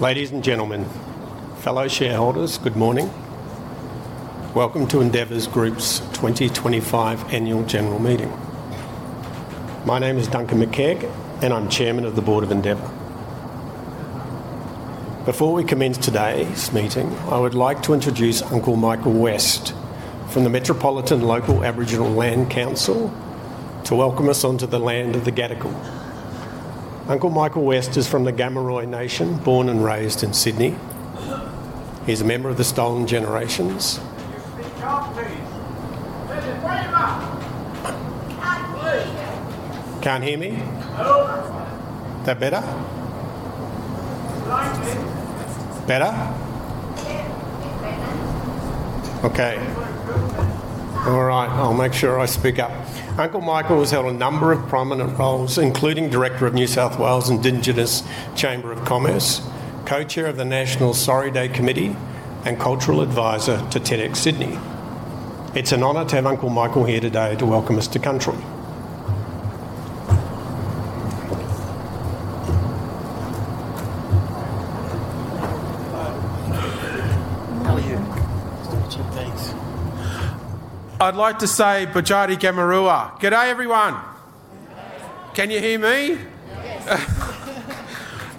Ladies and gentlemen, fellow shareholders, good morning. Welcome to Endeavour Group's 2025 annual general meeting. My name is Duncan Makeig, and I'm Chairman of the Board of Endeavour. Before we commence today's meeting, I would like to introduce Uncle Michael West from the Metropolitan Local Aboriginal Land Council to welcome us onto the land of the Gadigal. Uncle Michael West is from the Gammuray Nation, born and raised in Sydney. He's a member of the Stolen Generations. Can't hear me? No. Is that better? Better? Okay. All right, I'll make sure I speak up. Uncle Michael has held a number of prominent roles, including Director of New South Wales Indigenous Chamber of Commerce, Co-Chair of the National Sorry Day Committee, and Cultural Advisor to TEDxSydney. It's an honor to have Uncle Michael here today to welcome us to country. How are you? Thanks. I'd like to say Bajadi Gammuray. G'day, everyone. Can you hear me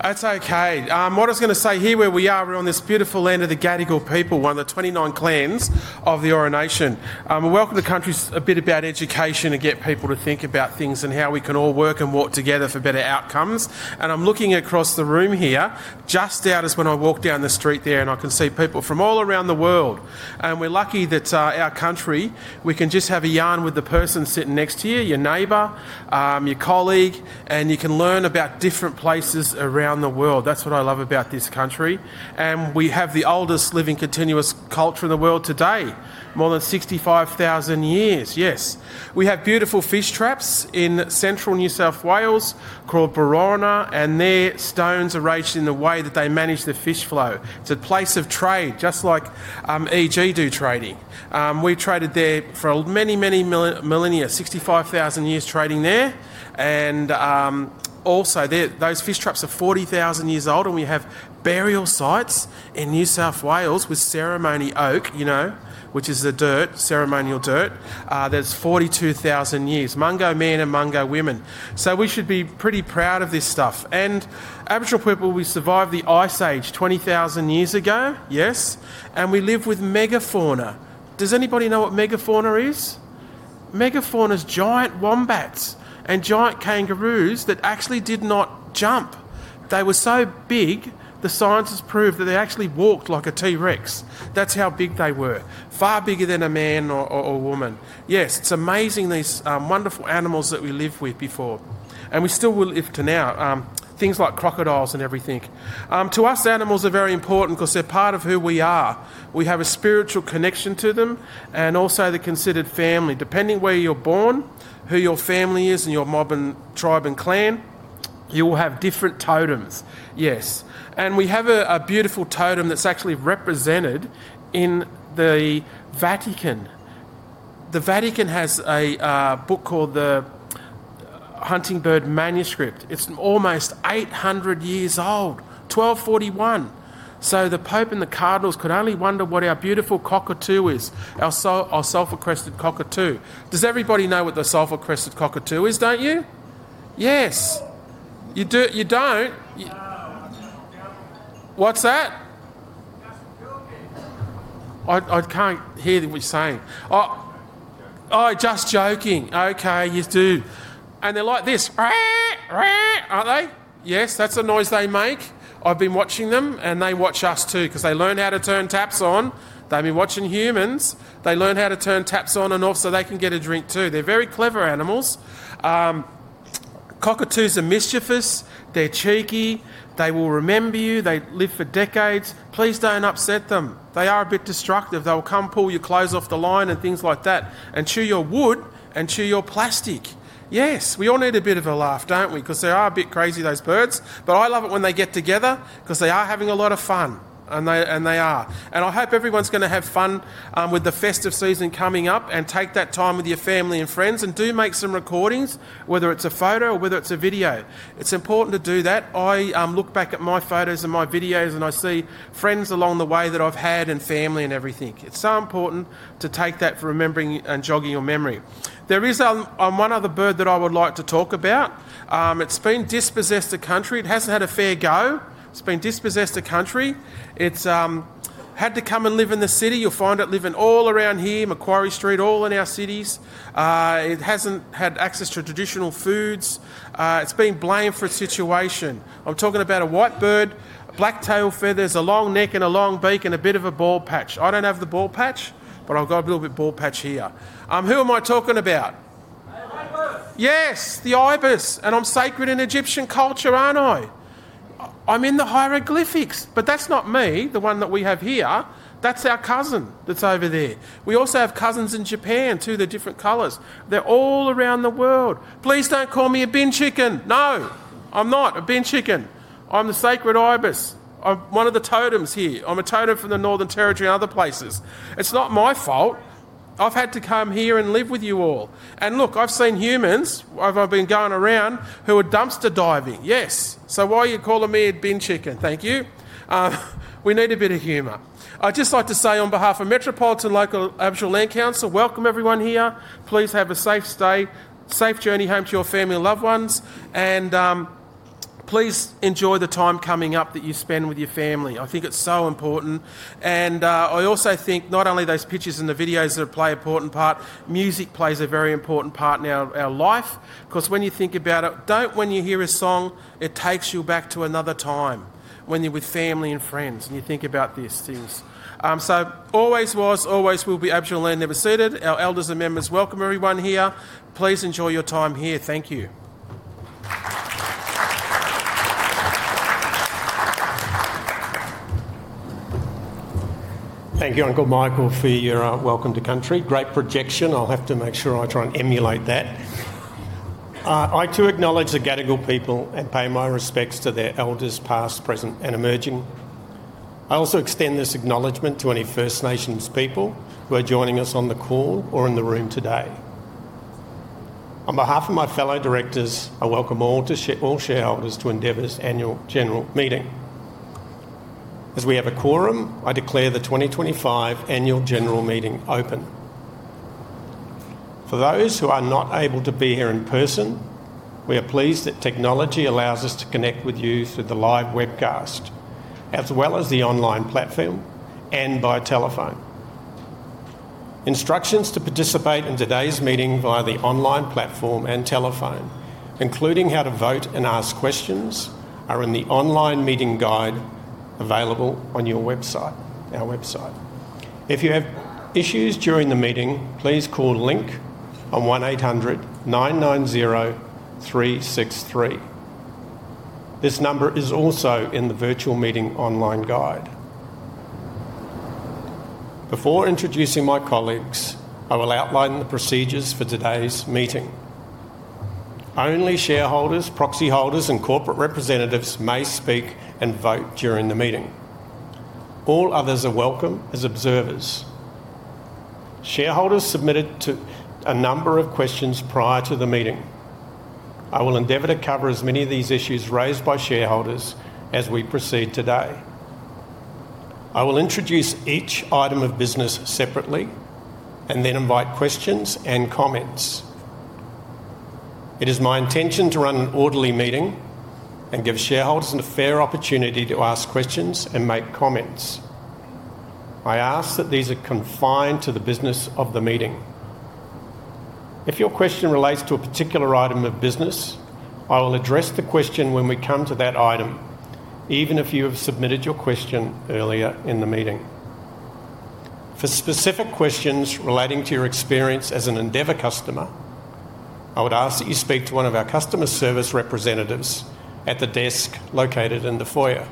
That's okay. What I was going to say here, where we are, we're on this beautiful land of the Gadigal people, one of the 29 clans of the Eora Nation. We welcome the country, a bit about education and get people to think about things and how we can all work and walk together for better outcomes. I'm looking across the room here, just out is when I walked down the street there, and I can see people from all around the world. We're lucky that our country, we can just have a yarn with the person sitting next to you, your neighbor, your colleague, and you can learn about different places around the world. That's what I love about this country. We have the oldest living continuous culture in the world today, more than 65,000 years. Yes. We have beautiful fish traps in central New South Wales called Boroughona, and their stones are arranged in the way that they manage the fish flow. It's a place of trade, just like EG do trading. We traded there for many, many millennia, 65,000 years trading there. Also, those fish traps are 40,000 years old, and we have burial sites in New South Wales with ceremony oak, you know, which is a dirt, ceremonial dirt, that's 42,000 years, Mungo men and Mungo women. We should be pretty proud of this stuff. Aboriginal people, we survived the Ice Age 20,000 years ago, yes, and we lived with megafauna. Does anybody know what megafauna is? Megafauna is giant wombats and giant kangaroos that actually did not jump. They were so big, the scientists proved that they actually walked like a T-Rex. That's how big they were, far bigger than a man or woman. Yes, it's amazing, these wonderful animals that we lived with before, and we still will live to now, things like crocodiles and everything. To us, animals are very important because they're part of who we are. We have a spiritual connection to them, and also they're considered family. Depending where you're born, who your family is, and your mob and tribe and clan, you will have different totems. Yes. And we have a beautiful totem that's actually represented in the Vatican. The Vatican has a book called the Huntingbird Manuscript. It's almost 800 years old, 1241. So the Pope and the Cardinals could only wonder what our beautiful cockatoo is, our sulphur-crested cockatoo. Does everybody know what the sulphur-crested cockatoo is, don't you? Yes. You don't .What's that? Just joking. I can't hear what you're saying. Just joking. Oh, just joking. Okay, you do. And they're like this, aren't they? Yes, that's the noise they make. I've been watching them, and they watch us too, because they learn how to turn taps on. They've been watching humans. They learn how to turn taps on and off so they can get a drink too. They're very clever animals. Cockatoos are mischievous. They're cheeky. They will remember you. They live for decades. Please don't upset them. They are a bit destructive. They will come pull your clothes off the line and things like that and chew your wood and chew your plastic. Yes, we all need a bit of a laugh, don't we, because they are a bit crazy, those birds. But I love it when they get together because they are having a lot of fun, and they are. I hope everyone's going to have fun with the festive season coming up and take that time with your family and friends and do make some recordings, whether it's a photo or whether it's a video. It's important to do that. I look back at my photos and my videos, and I see friends along the way that I've had and family and everything. It's so important to take that for remembering and jogging your memory. There is one other bird that I would like to talk about. It's been dispossessed of country. It hasn't had a fair go. It's been dispossessed of country. It's had to come and live in the city. You'll find it living all around here, Macquarie Street, all in our cities. It hasn't had access to traditional foods. It's being blamed for its situation. I'm talking about a white bird, black tail feathers, a long neck and a long beak, and a bit of a bald patch. I don't have the bald patch, but I've got a little bit of bald patch here. Who am I talking about? Yes, the ibis. And I'm sacred in Egyptian culture, aren't I? I'm in the hieroglyphics, but that's not me, the one that we have here. That's our cousin that's over there. We also have cousins in Japan too, they're different colors. They're all around the world. Please don't call me a bin chicken. No, I'm not a bin chicken. I'm the sacred ibis, one of the totems here. I'm a totem from the Northern Territory and other places. It's not my fault. I've had to come here and live with you all. And look, I've seen humans while I've been going around who are dumpster diving. Yes. So why are you calling me a bin chicken? Thank you. We need a bit of humor. I'd just like to say on behalf of Metropolitan Local Aboriginal Land Council, welcome everyone here. Please have a safe stay, safe journey home to your family and loved ones. Please enjoy the time coming up that you spend with your family. I think it's so important. I also think not only those pictures and the videos that play an important part, music plays a very important part in our life. Because when you think about it, when you hear a song, it takes you back to another time when you're with family and friends and you think about these things. Always was, always will be Aboriginal Land Never Sorted. Our elders and members, welcome everyone here. Please enjoy your time here. Thank you. Thank you, Uncle Michael, for your Welcome to Country. Great projection. I'll have to make sure I try and emulate that. I too acknowledge the Gadigal people and pay my respects to their elders, past, present, and emerging. I also extend this acknowledgement to any First Nations people who are joining us on the call or in the room today. On behalf of my fellow directors, I welcome all shareholders to Endeavour's annual general meeting. As we have a quorum, I declare the 2025 annual general meeting open. For those who are not able to be here in person, we are pleased that technology allows us to connect with you through the live webcast, as well as the online platform and by telephone. Instructions to participate in today's meeting via the online platform and telephone, including how to vote and ask questions, are in the online meeting guide available on our website. If you have issues during the meeting, please call the link on 1-800-990-363. This number is also in the virtual meeting online guide. Before introducing my colleagues, I will outline the procedures for today's meeting. Only shareholders, proxy holders, and corporate representatives may speak and vote during the meeting. All others are welcome as observers. Shareholders submitted a number of questions prior to the meeting. I will endeavour to cover as many of these issues raised by shareholders as we proceed today. I will introduce each item of business separately and then invite questions and comments. It is my intention to run an orderly meeting and give shareholders a fair opportunity to ask questions and make comments. I ask that these are confined to the business of the meeting. If your question relates to a particular item of business, I will address the question when we come to that item, even if you have submitted your question earlier in the meeting. For specific questions relating to your experience as an Endeavour customer, I would ask that you speak to one of our customer service representatives at the desk located in the foyer.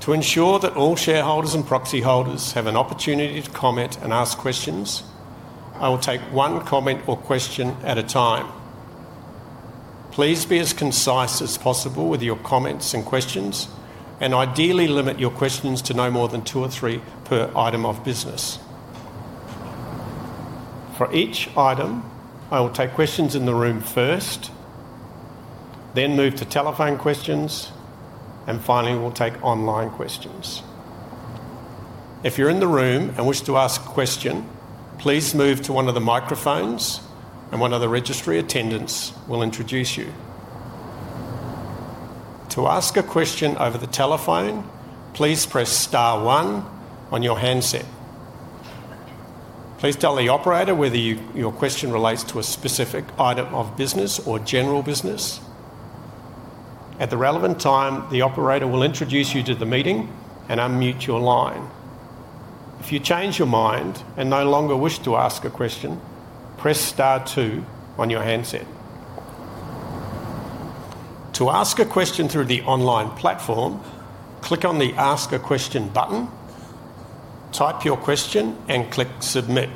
To ensure that all shareholders and proxy holders have an opportunity to comment and ask questions, I will take one comment or question at a time. Please be as concise as possible with your comments and questions, and ideally limit your questions to no more than two or three per item of business. For each item, I will take questions in the room first, then move to telephone questions, and finally, we'll take online questions. If you're in the room and wish to ask a question, please move to one of the microphones, and one of the registry attendants will introduce you. To ask a question over the telephone, please press star one on your handset. Please tell the operator whether your question relates to a specific item of business or general business. At the relevant time, the operator will introduce you to the meeting and unmute your line. If you change your mind and no longer wish to ask a question, press star two on your handset. To ask a question through the online platform, click on the Ask a Question button, type your question, and click Submit.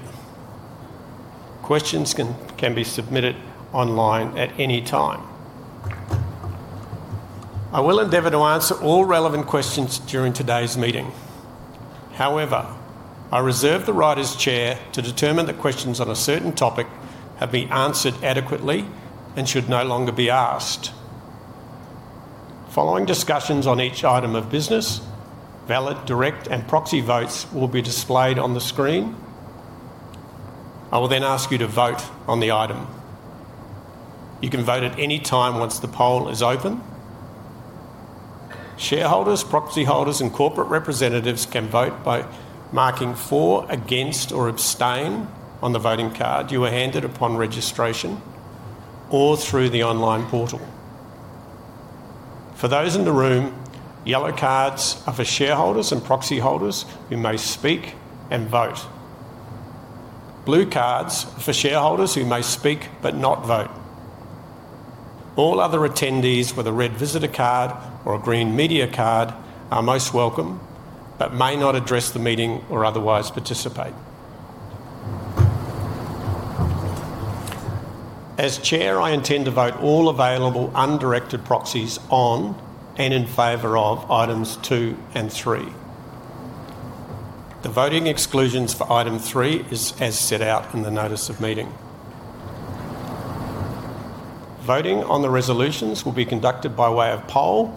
Questions can be submitted online at any time. I will endeavour to answer all relevant questions during today's meeting. However, I reserve the writer's chair to determine that questions on a certain topic have been answered adequately and should no longer be asked. Following discussions on each item of business, valid, direct, and proxy votes will be displayed on the screen. I will then ask you to vote on the item. You can vote at any time once the poll is open. Shareholders, proxy holders, and corporate representatives can vote by marking for, against, or abstain on the voting card you were handed upon registration or through the online portal. For those in the room, yellow cards are for shareholders and proxy holders who may speak and vote. Blue cards are for shareholders who may speak but not vote. All other attendees with a red visitor card or a green media card are most welcome but may not address the meeting or otherwise participate. As Chair, I intend to vote all available undirected proxies on and in favor of items two and three. The voting exclusions for item three are as set out in the notice of meeting. Voting on the resolutions will be conducted by way of poll,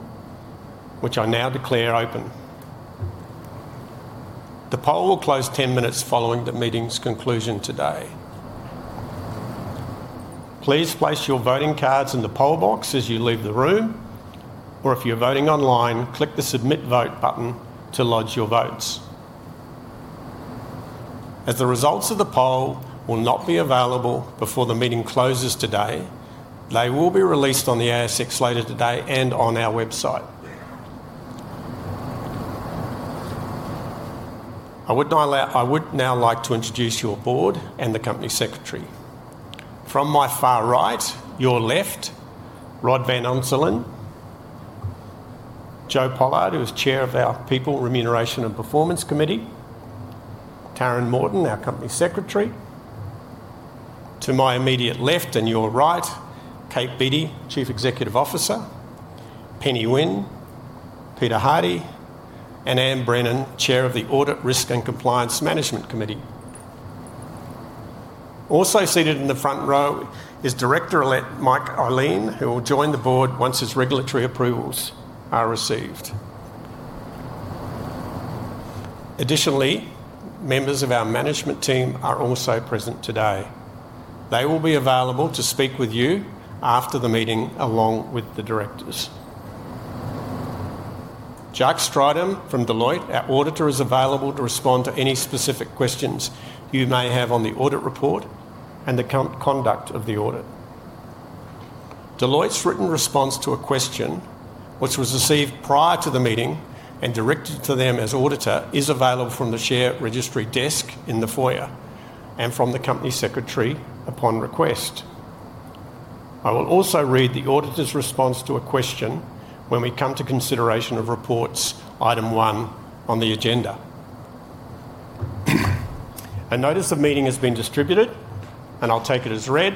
which I now declare open. The poll will close 10 minutes following the meeting's conclusion today. Please place your voting cards in the poll box as you leave the room, or if you're voting online, click the Submit Vote button to lodge your votes. As the results of the poll will not be available before the meeting closes today, they will be released on the ASX later today and on our website. I would now like to introduce your Board and the Company Secretary. From my far right, your left, Rod Van Unselin, Joe Pollard, who is Chair of our People, Remuneration, and Performance Committee, Taran Morton, our Company Secretary. To my immediate left and your right, Kate Beattie, Chief Executive Officer, Penny Winn, Peter Hardy, and Anne Brennan, Chair of the Audit, Risk, and Compliance Management Committee. Also seated in the front row is Director-elect Mike Eileen, who will join the board once his regulatory approvals are received. Additionally, members of our management team are also present today. They will be available to speak with you after the meeting along with the directors. Jack Stridham from Deloitte, our auditor, is available to respond to any specific questions you may have on the audit report and the conduct of the audit. Deloitte's written response to a question, which was received prior to the meeting and directed to them as auditor, is available from the share registry desk in the foyer and from the Company Secretary upon request. I will also read the auditor's response to a question when we come to consideration of reports item one on the agenda. A notice of meeting has been distributed, and I'll take it as read.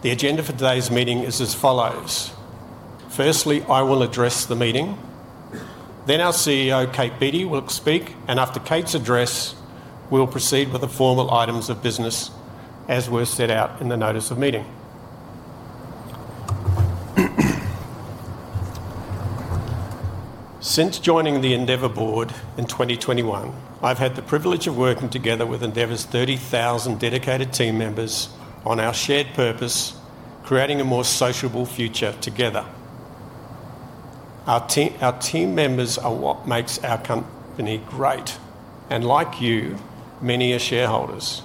The agenda for today's meeting is as follows. Firstly, I will address the meeting. Then our CEO, Kate Beattie, will speak, and after Kate's address, we'll proceed with the formal items of business as were set out in the notice of meeting. Since joining the Endeavour board in 2021, I've had the privilege of working together with Endeavour's 30,000 dedicated team members on our shared purpose, creating a more sociable future together. Our team members are what makes our company great, and like you, many are shareholders.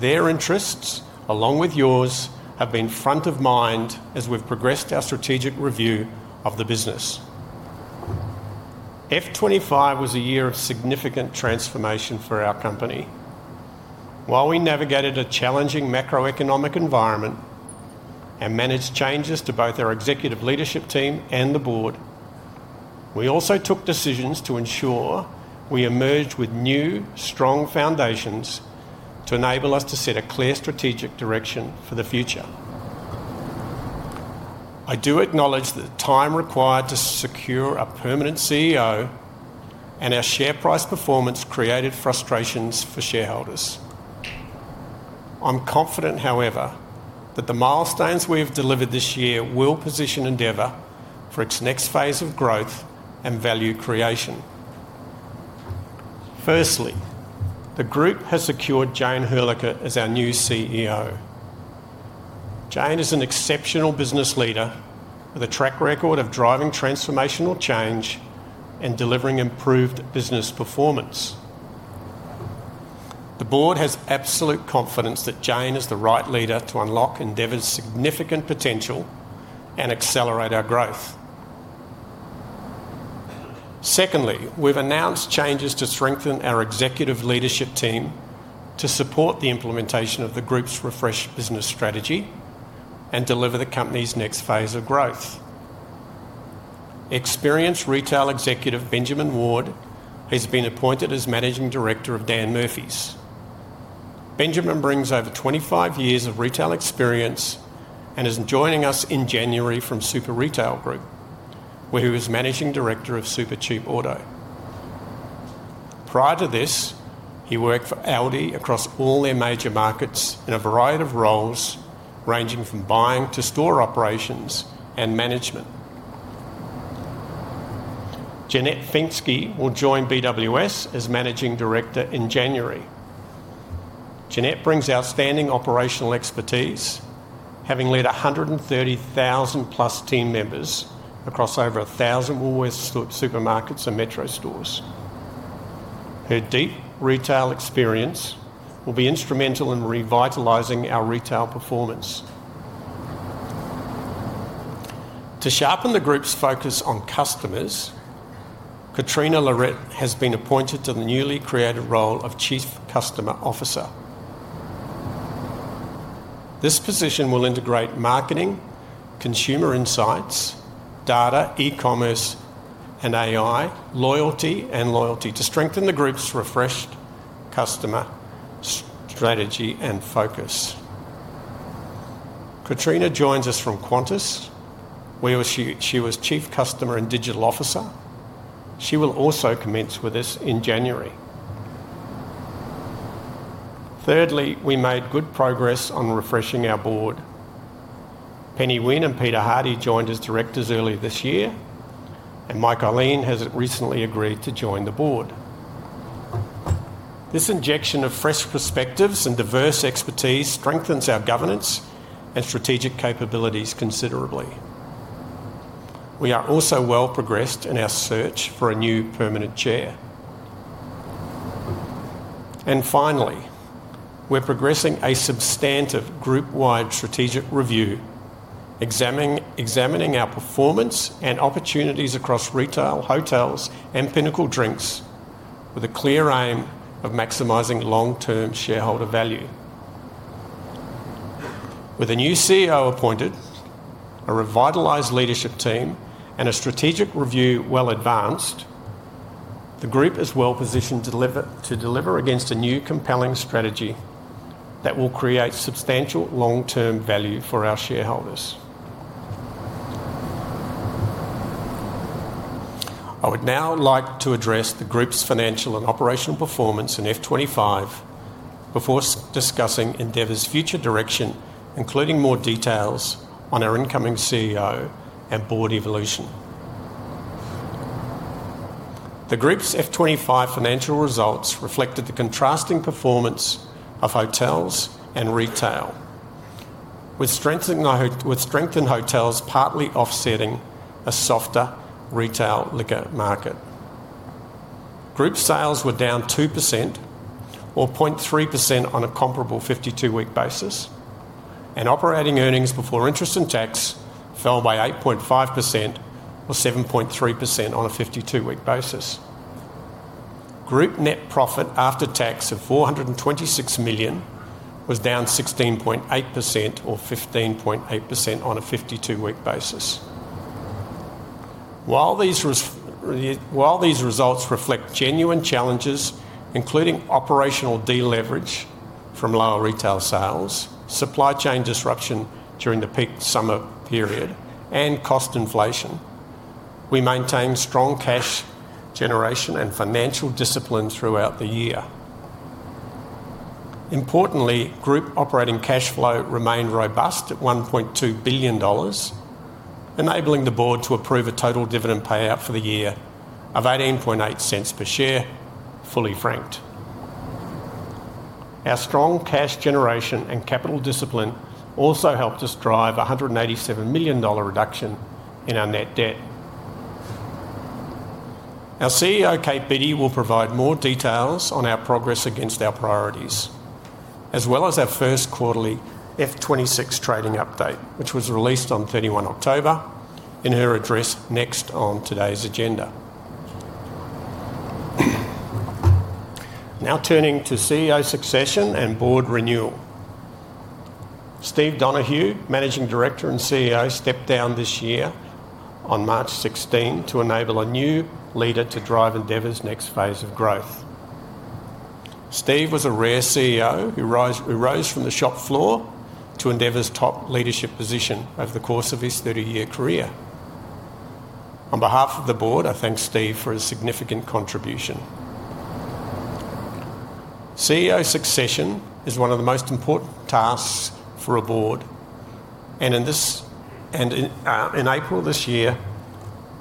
Their interests, along with yours, have been front of mind as we've progressed our strategic review of the business. FY 2025 was a year of significant transformation for our company. While we navigated a challenging macroeconomic environment and managed changes to both our executive leadership team and the board, we also took decisions to ensure we emerged with new, strong foundations to enable us to set a clear strategic direction for the future. I do acknowledge that the time required to secure a permanent CEO and our share price performance created frustrations for shareholders. I'm confident, however, that the milestones we have delivered this year will position Endeavour for its next phase of growth and value creation. Firstly, the group has secured Jayne Hrdlicka as our new CEO. Jayne is an exceptional business leader with a track record of driving transformational change and delivering improved business performance. The board has absolute confidence that Jayne is the right leader to unlock Endeavour's significant potential and accelerate our growth. Secondly, we've announced changes to strengthen our executive leadership team to support the implementation of the group's refreshed business strategy and deliver the company's next phase of growth. Experienced retail executive Benjamin Ward has been appointed as Managing Director of Dan Murphy's. Benjamin brings over 25 years of retail experience and is joining us in January from Super Retail Group, where he was Managing Director of Supercheap Auto. Prior to this, he worked for Aldi across all their major markets in a variety of roles ranging from buying to store operations and management. Jeanette Finsky will join BWS as Managing Director in January. Jeanette brings outstanding operational expertise, having led 130,000+ team members across over 1,000 Woolworths supermarkets and Metro stores. Her deep retail experience will be instrumental in revitalizing our retail performance. To sharpen the group's focus on customers, Katrina Larritt has been appointed to the newly created role of Chief Customer Officer. This position will integrate marketing, consumer insights, data, e-commerce, and AI loyalty to strengthen the group's refreshed customer strategy and focus. Katrina joins us from Qantas. She was Chief Customer and Digital Officer. She will also commence with us in January. Thirdly, we made good progress on refreshing our board. Penny Winn and Peter Hardy joined as directors early this year, and Mike Eileen has recently agreed to join the board. This injection of fresh perspectives and diverse expertise strengthens our governance and strategic capabilities considerably. We are also well progressed in our search for a new permanent Chair. Finally, we're progressing a substantive group-wide strategic review, examining our performance and opportunities across retail, hotels, and Pinnacle Drinks with a clear aim of maximizing long-term shareholder value. With a new CEO appointed, a revitalized leadership team, and a strategic review well advanced, the group is well-positioned to deliver against a new compelling strategy that will create substantial long-term value for our shareholders. I would now like to address the group's financial and operational performance in FY 2025 before discussing Endeavour's future direction, including more details on our incoming CEO and board evolution. The group's FY 2025 financial results reflected the contrasting performance of hotels and retail, with strengthened hotels partly offsetting a softer retail liquor market. Group sales were down 2% or 0.3% on a comparable 52-week basis, and operating earnings before interest and tax fell by 8.5% or 7.3% on a 52-week basis. Group net profit after tax of 426 million was down 16.8% or 15.8% on a 52-week basis. While these results reflect genuine challenges, including operational deleverage from lower retail sales, supply chain disruption during the peak summer period, and cost inflation, we maintained strong cash generation and financial discipline throughout the year. Importantly, group operating cash flow remained robust at 1.2 billion dollars, enabling the board to approve a total dividend payout for the year of 0.1880 per share, fully franked. Our strong cash generation and capital discipline also helped us drive a 187 million dollar reduction in our net debt. Our CEO, Kate Beattie, will provide more details on our progress against our priorities, as well as our first quarterly FY 2026 trading update, which was released on 31 October in her address next on today's agenda. Now turning to CEO succession and board renewal, Steve Donohue, Managing Director and CEO, stepped down this year on March 16 to enable a new leader to drive Endeavour's next phase of growth. Steve was a rare CEO who rose from the shop floor to Endeavour's top leadership position over the course of his 30-year career. On behalf of the board, I thank Steve for his significant contribution. CEO succession is one of the most important tasks for a board, and in April this year,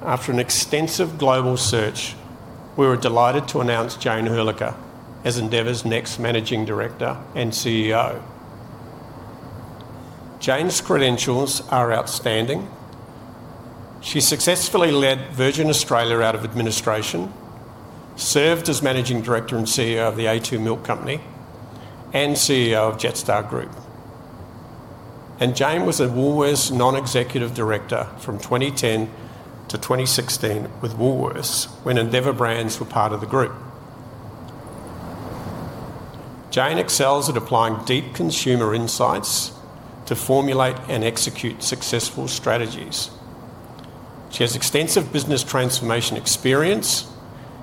after an extensive global search, we were delighted to announce Jayne Hrdlicka as Endeavour's next Managing Director and CEO. Jayne's credentials are outstanding. She successfully led Virgin Australia out of administration, served as Managing Director and CEO of the A2 Milk Company and CEO of Jetstar Group. Jayne was a Woolworths non-executive director from 2010-2016 with Woolworths when Endeavour brands were part of the group. Jayne excels at applying deep consumer insights to formulate and execute successful strategies. She has extensive business transformation experience,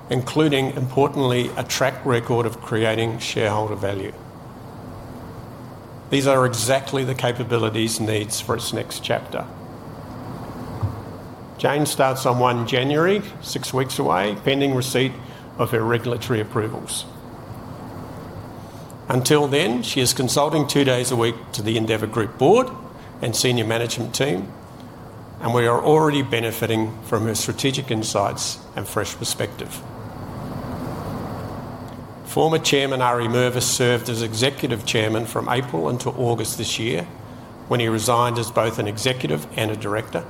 including, importantly, a track record of creating shareholder value. These are exactly the capabilities needed for its next chapter. Jayne starts on January 1, six weeks away, pending receipt of her regulatory approvals. Until then, she is consulting two days a week to the Endeavour Group board and senior management team, and we are already benefiting from her strategic insights and fresh perspective. Former Chairman Ari Mervis served as Executive Chairman from April into August this year when he resigned as both an executive and a director.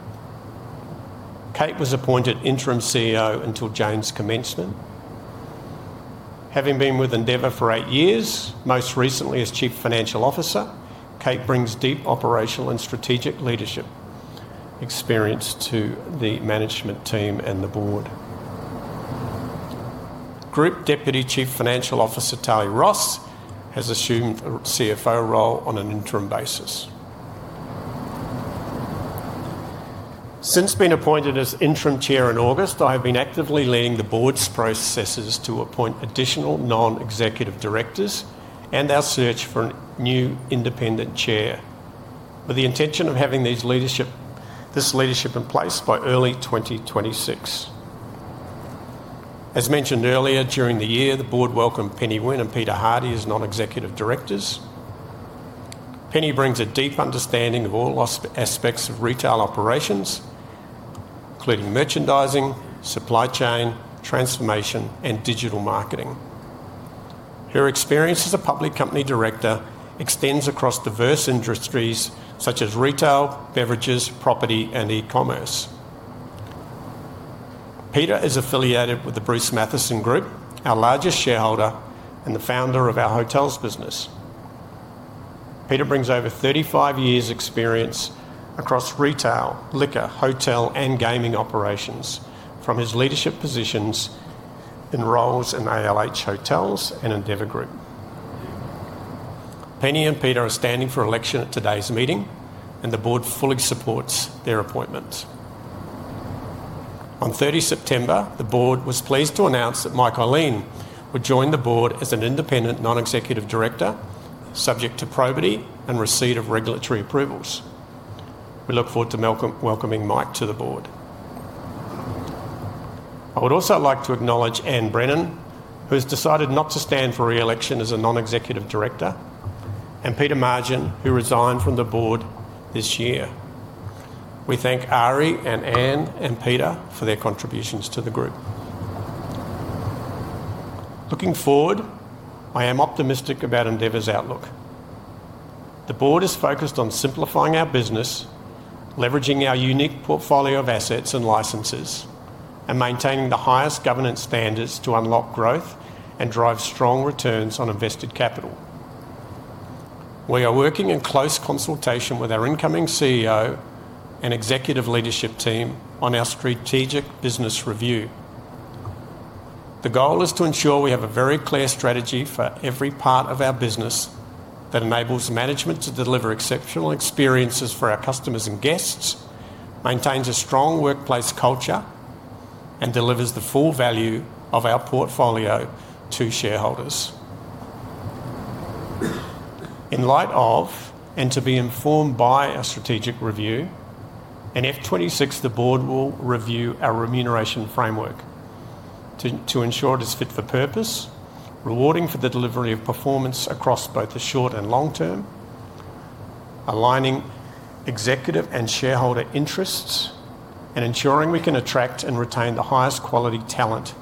Kate was appointed interim CEO until Jayne's commencement. Having been with Endeavour for eight years, most recently as Chief Financial Officer, Kate brings deep operational and strategic leadership experience to the management team and the board. Group Deputy Chief Financial Officer Tali Ross has assumed a CFO role on an interim basis. Since being appointed as interim Chair in August, I have been actively leading the board's processes to appoint additional non-executive directors and our search for a new independent Chair, with the intention of having this leadership in place by early 2026. As mentioned earlier, during the year, the board welcomed Penny Winn and Peter Hardy as non-executive directors. Penny brings a deep understanding of all aspects of retail operations, including merchandising, supply chain, transformation, and digital marketing. Her experience as a public company director extends across diverse industries such as retail, beverages, property, and e-commerce. Peter is affiliated with the Bruce Matheson Group, our largest shareholder and the founder of our hotels business. Peter brings over 35 years' experience across retail, liquor, hotel, and gaming operations from his leadership positions in roles in ALH Group and Endeavour Group. Penny and Peter are standing for election at today's meeting, and the board fully supports their appointment. On 30 September, the board was pleased to announce that Mike Eileen would join the board as an independent non-executive director, subject to probity and receipt of regulatory approvals. We look forward to welcoming Mike to the board. I would also like to acknowledge Anne Brennan, who has decided not to stand for re-election as a Non-Executive Director, and Peter Margin, who resigned from the board this year. We thank Ari, Anne, and Peter for their contributions to the group. Looking forward, I am optimistic about Endeavour's outlook. The board is focused on simplifying our business, leveraging our unique portfolio of assets and licenses, and maintaining the highest governance standards to unlock growth and drive strong returns on invested capital. We are working in close consultation with our incoming CEO and executive leadership team on our strategic business review. The goal is to ensure we have a very clear strategy for every part of our business that enables management to deliver exceptional experiences for our customers and guests, maintains a strong workplace culture, and delivers the full value of our portfolio to shareholders. In light of, and to be informed by, our strategic review, in FY 2026, the board will review our remuneration framework to ensure it is fit for purpose, rewarding for the delivery of performance across both the short and long-term, aligning executive and shareholder interests, and ensuring we can attract and retain the highest quality talent,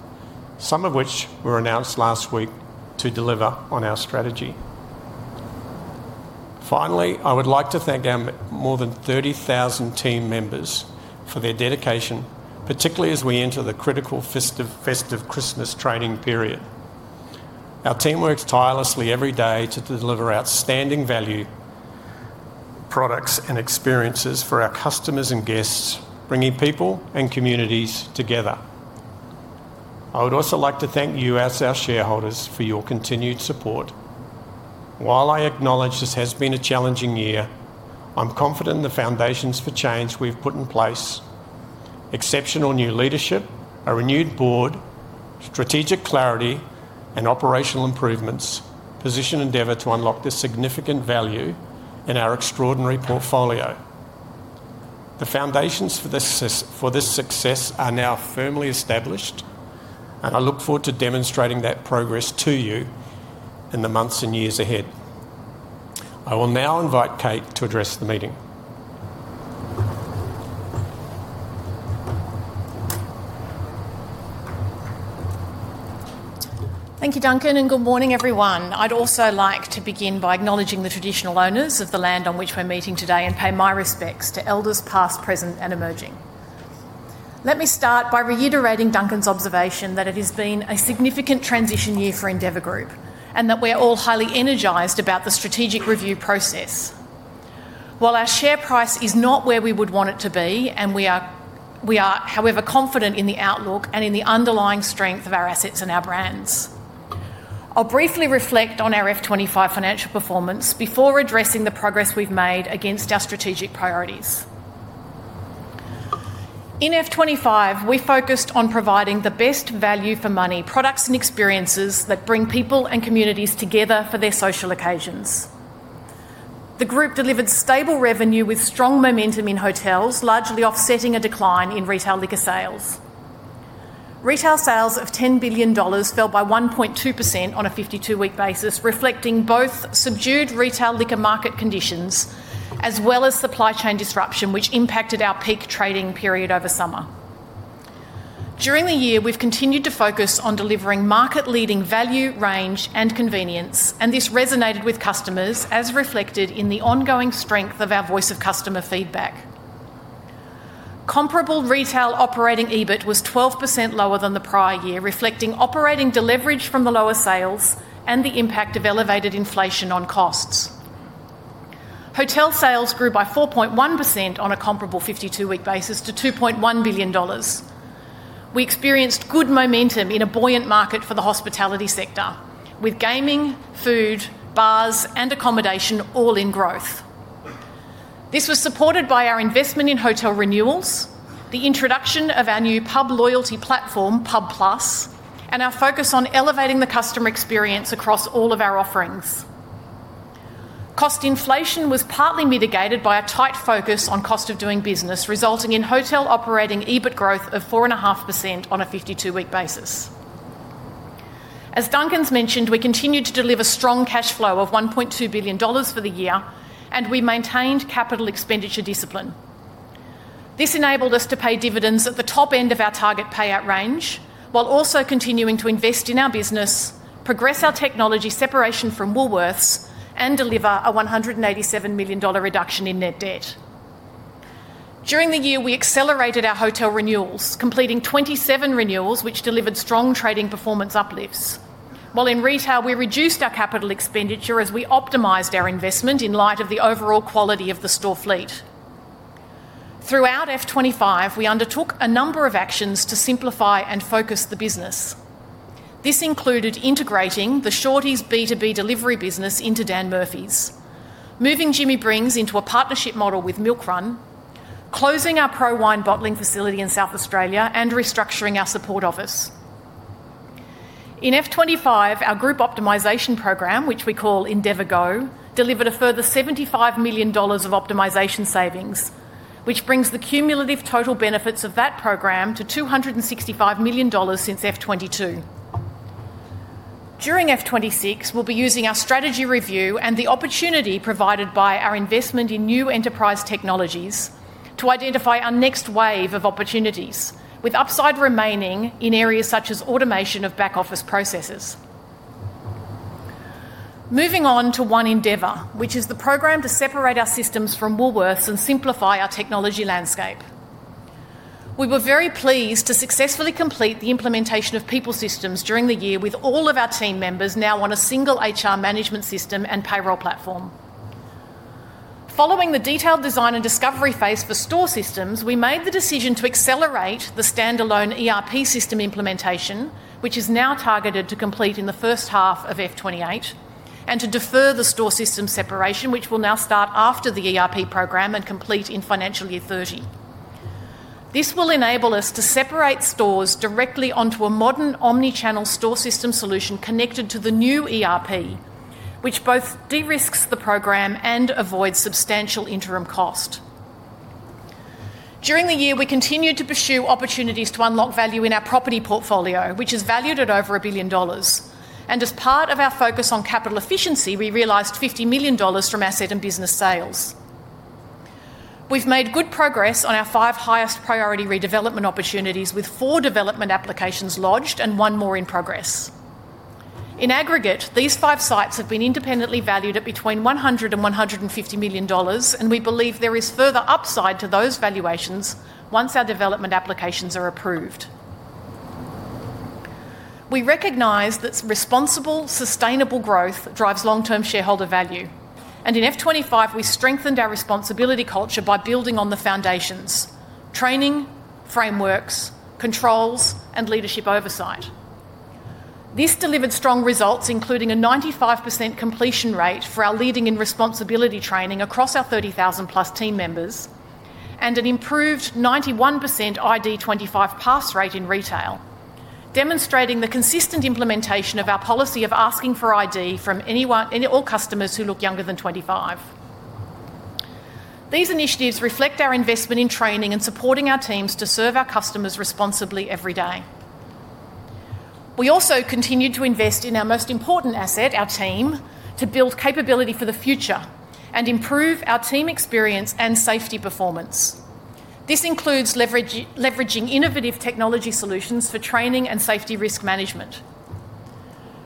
some of which were announced last week to deliver on our strategy. Finally, I would like to thank our more than 30,000 team members for their dedication, particularly as we enter the critical festive Christmas trading period. Our team works tirelessly every day to deliver outstanding value products and experiences for our customers and guests, bringing people and communities together. I would also like to thank you as our shareholders for your continued support. While I acknowledge this has been a challenging year, I'm confident the foundations for change we've put in place—exceptional new leadership, a renewed board, strategic clarity, and operational improvements—position Endeavour to unlock this significant value in our extraordinary portfolio. The foundations for this success are now firmly established, and I look forward to demonstrating that progress to you in the months and years ahead. I will now invite Kate to address the meeting. Thank you, Duncan, and good morning, everyone. I'd also like to begin by acknowledging the traditional owners of the land on which we're meeting today and pay my respects to elders past, present, and emerging. Let me start by reiterating Duncan's observation that it has been a significant transition year for Endeavour Group and that we're all highly energised about the strategic review process. While our share price is not where we would want it to be, we are, however, confident in the outlook and in the underlying strength of our assets and our brands. I'll briefly reflect on our FY 2025 financial performance before addressing the progress we've made against our strategic priorities. In FY 2025, we focused on providing the best value for money products and experiences that bring people and communities together for their social occasions. The group delivered stable revenue with strong momentum in hotels, largely offsetting a decline in retail liquor sales. Retail sales of 10 billion dollars fell by 1.2% on a 52-week basis, reflecting both subdued retail liquor market conditions as well as supply chain disruption, which impacted our peak trading period over summer. During the year, we've continued to focus on delivering market-leading value, range, and convenience, and this resonated with customers, as reflected in the ongoing strength of our voice of customer feedback. Comparable retail operating EBIT was 12% lower than the prior year, reflecting operating deleverage from the lower sales and the impact of elevated inflation on costs. Hotel sales grew by 4.1% on a comparable 52-week basis to 2.1 billion dollars. We experienced good momentum in a buoyant market for the hospitality sector, with gaming, food, bars, and accommodation all in growth. This was supported by our investment in hotel renewals, the introduction of our new pub loyalty platform, Pub+, and our focus on elevating the customer experience across all of our offerings. Cost inflation was partly mitigated by a tight focus on cost of doing business, resulting in hotel operating EBIT growth of 4.5% on a 52-week basis. As Duncan's mentioned, we continued to deliver strong cash flow of 1.2 billion dollars for the year, and we maintained capital expenditure discipline. This enabled us to pay dividends at the top end of our target payout range while also continuing to invest in our business, progress our technology separation from Woolworths, and deliver a 187 million dollar reduction in net debt. During the year, we accelerated our hotel renewals, completing 27 renewals, which delivered strong trading performance uplifts. While in retail, we reduced our capital expenditure as we optimised our investment in light of the overall quality of the store fleet. Throughout FY 2025, we undertook a number of actions to simplify and focus the business. This included integrating the Shorty's B2B delivery business into Dan Murphy's, moving Jimmy Brings into a partnership model with Milk Run, closing our pro-wine bottling facility in South Australia, and restructuring our support office. In FY 2025, our group optimisation program, which we call Endeavour Go, delivered a further 75 million dollars of optimisation savings, which brings the cumulative total benefits of that program to 265 million dollars since FY 2022. During FY 2026, we'll be using our strategy review and the opportunity provided by our investment in new enterprise technologies to identify our next wave of opportunities, with upside remaining in areas such as automation of back-office processes. Moving on to One Endeavour, which is the program to separate our systems from Woolworths and simplify our technology landscape. We were very pleased to successfully complete the implementation of people systems during the year, with all of our team members now on a single HR management system and payroll platform. Following the detailed design and discovery phase for store systems, we made the decision to accelerate the standalone ERP system implementation, which is now targeted to complete in the first half of financial year 2028, and to defer the store system separation, which will now start after the ERP program and complete in financial year 2030. This will enable us to separate stores directly onto a modern omnichannel store system solution connected to the new ERP, which both de-risks the program and avoids substantial interim cost. During the year, we continued to pursue opportunities to unlock value in our property portfolio, which is valued at over 1 billion dollars. As part of our focus on capital efficiency, we realized 50 million dollars from asset and business sales. We have made good progress on our five highest priority redevelopment opportunities, with four development applications lodged and one more in progress. In aggregate, these five sites have been independently valued at between 100 million dollars and AUD 150 million, and we believe there is further upside to those valuations once our development applications are approved. We recognize that responsible, sustainable growth drives long-term shareholder value, and in FY 2025, we strengthened our responsibility culture by building on the foundations: training, frameworks, controls, and leadership oversight. This delivered strong results, including a 95% completion rate for our leading in responsibility training across our 30,000+ team members and an improved 91% ID25 pass rate in retail, demonstrating the consistent implementation of our policy of asking for ID from all customers who look younger than 25. These initiatives reflect our investment in training and supporting our teams to serve our customers responsibly every day. We also continue to invest in our most important asset, our team, to build capability for the future and improve our team experience and safety performance. This includes leveraging innovative technology solutions for training and safety risk management.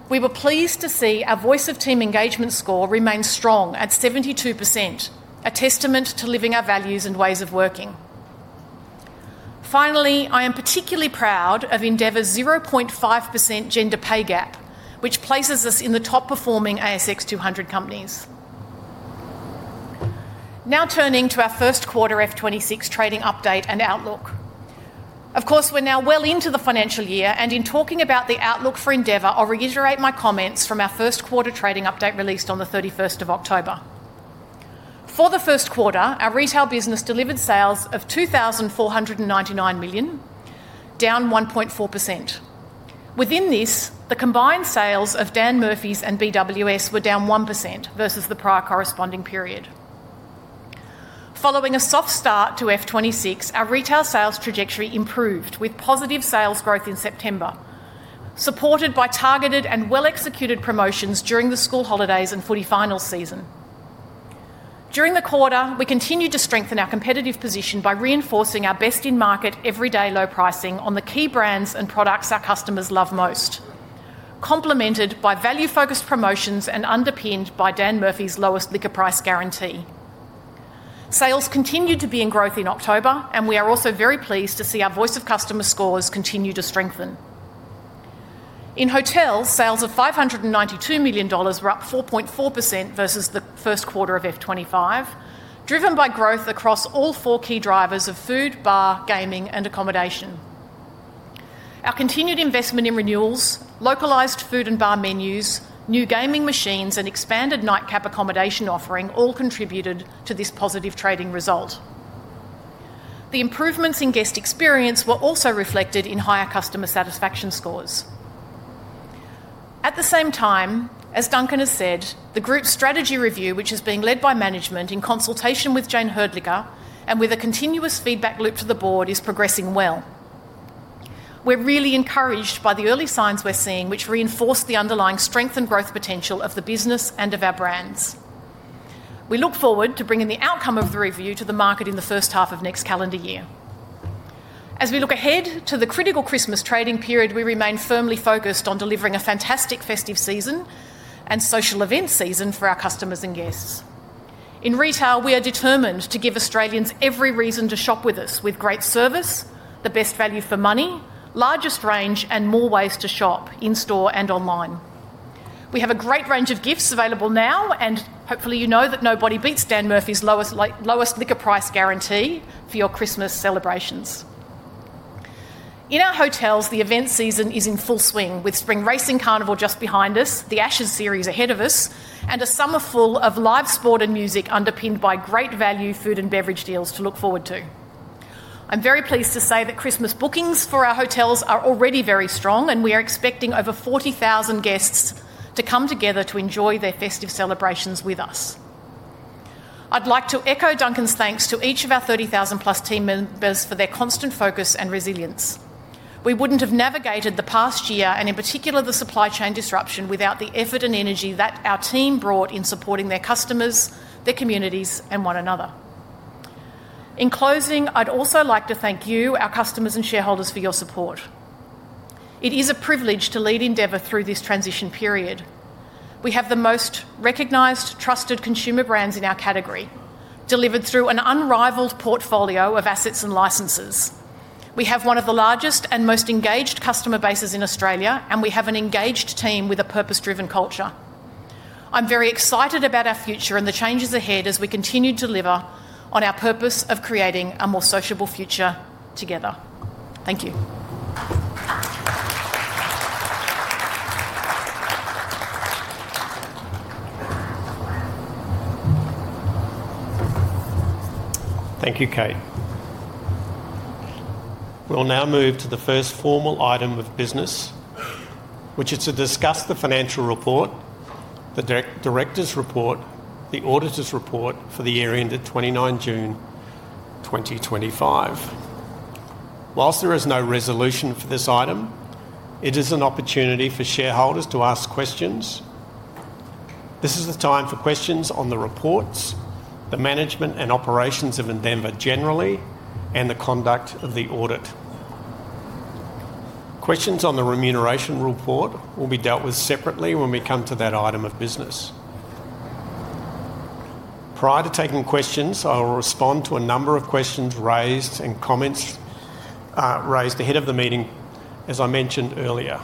We were pleased to see our voice of team engagement score remain strong at 72%, a testament to living our values and ways of working. Finally, I am particularly proud of Endeavour's 0.5% gender pay gap, which places us in the top-performing ASX 200 companies. Now turning to our first quarter FY 2026 trading update and outlook. Of course, we're now well into the financial year, and in talking about the outlook for Endeavour, I'll reiterate my comments from our first quarter trading update released on the 31st of October. For the first quarter, our retail business delivered sales of 2,499 million, down 1.4%. Within this, the combined sales of Dan Murphy's and BWS were down 1% versus the prior corresponding period. Following a soft start to FY 2026, our retail sales trajectory improved, with positive sales growth in September, supported by targeted and well-executed promotions during the school holidays and footy finals season. During the quarter, we continued to strengthen our competitive position by reinforcing our best-in-market everyday low pricing on the key brands and products our customers love most, complemented by value-focused promotions and underpinned by Dan Murphy's lowest liquor price guarantee. Sales continued to be in growth in October, and we are also very pleased to see our voice of customer scores continue to strengthen. In hotels, sales of 592 million dollars were up 4.4% versus the first quarter of FY 2025, driven by growth across all four key drivers of food, bar, gaming, and accommodation. Our continued investment in renewals, localized food and bar menus, new gaming machines, and expanded nightcap accommodation offering all contributed to this positive trading result. The improvements in guest experience were also reflected in higher customer satisfaction scores. At the same time, as Duncan has said, the group strategy review, which is being led by management in consultation with Jayne Hrdlicka and with a continuous feedback loop to the board, is progressing well. We're really encouraged by the early signs we're seeing, which reinforce the underlying strength and growth potential of the business and of our brands. We look forward to bringing the outcome of the review to the market in the first half of next calendar year. As we look ahead to the critical Christmas trading period, we remain firmly focused on delivering a fantastic festive season and social event season for our customers and guests. In retail, we are determined to give Australians every reason to shop with us, with great service, the best value for money, largest range, and more ways to shop in store and online. We have a great range of gifts available now, and hopefully you know that nobody beats Dan Murphy's lowest liquor price guarantee for your Christmas celebrations. In our hotels, the event season is in full swing, with Spring Racing Carnival just behind us, the Ashes series ahead of us, and a summer full of live sport and music underpinned by great value food and beverage deals to look forward to. I'm very pleased to say that Christmas bookings for our hotels are already very strong, and we are expecting over 40,000 guests to come together to enjoy their festive celebrations with us. I'd like to echo Duncan's thanks to each of our 30,000+ team members for their constant focus and resilience. We wouldn't have navigated the past year, and in particular the supply chain disruption, without the effort and energy that our team brought in supporting their customers, their communities, and one another. In closing, I'd also like to thank you, our customers and shareholders, for your support. It is a privilege to lead Endeavour through this transition period. We have the most recognized, trusted consumer brands in our category, delivered through an unrivaled portfolio of assets and licenses. We have one of the largest and most engaged customer bases in Australia, and we have an engaged team with a purpose-driven culture. I'm very excited about our future and the changes ahead as we continue to deliver on our purpose of creating a more sociable future together. Thank you. Thank you, Kate. We'll now move to the first formal item of business, which is to discuss the financial report, the director's report, the auditor's report for the year ended 29 June 2025. Whilst there is no resolution for this item, it is an opportunity for shareholders to ask questions. This is the time for questions on the reports, the management and operations of Endeavour generally, and the conduct of the audit. Questions on the remuneration report will be dealt with separately when we come to that item of business. Prior to taking questions, I will respond to a number of questions raised and comments raised ahead of the meeting, as I mentioned earlier.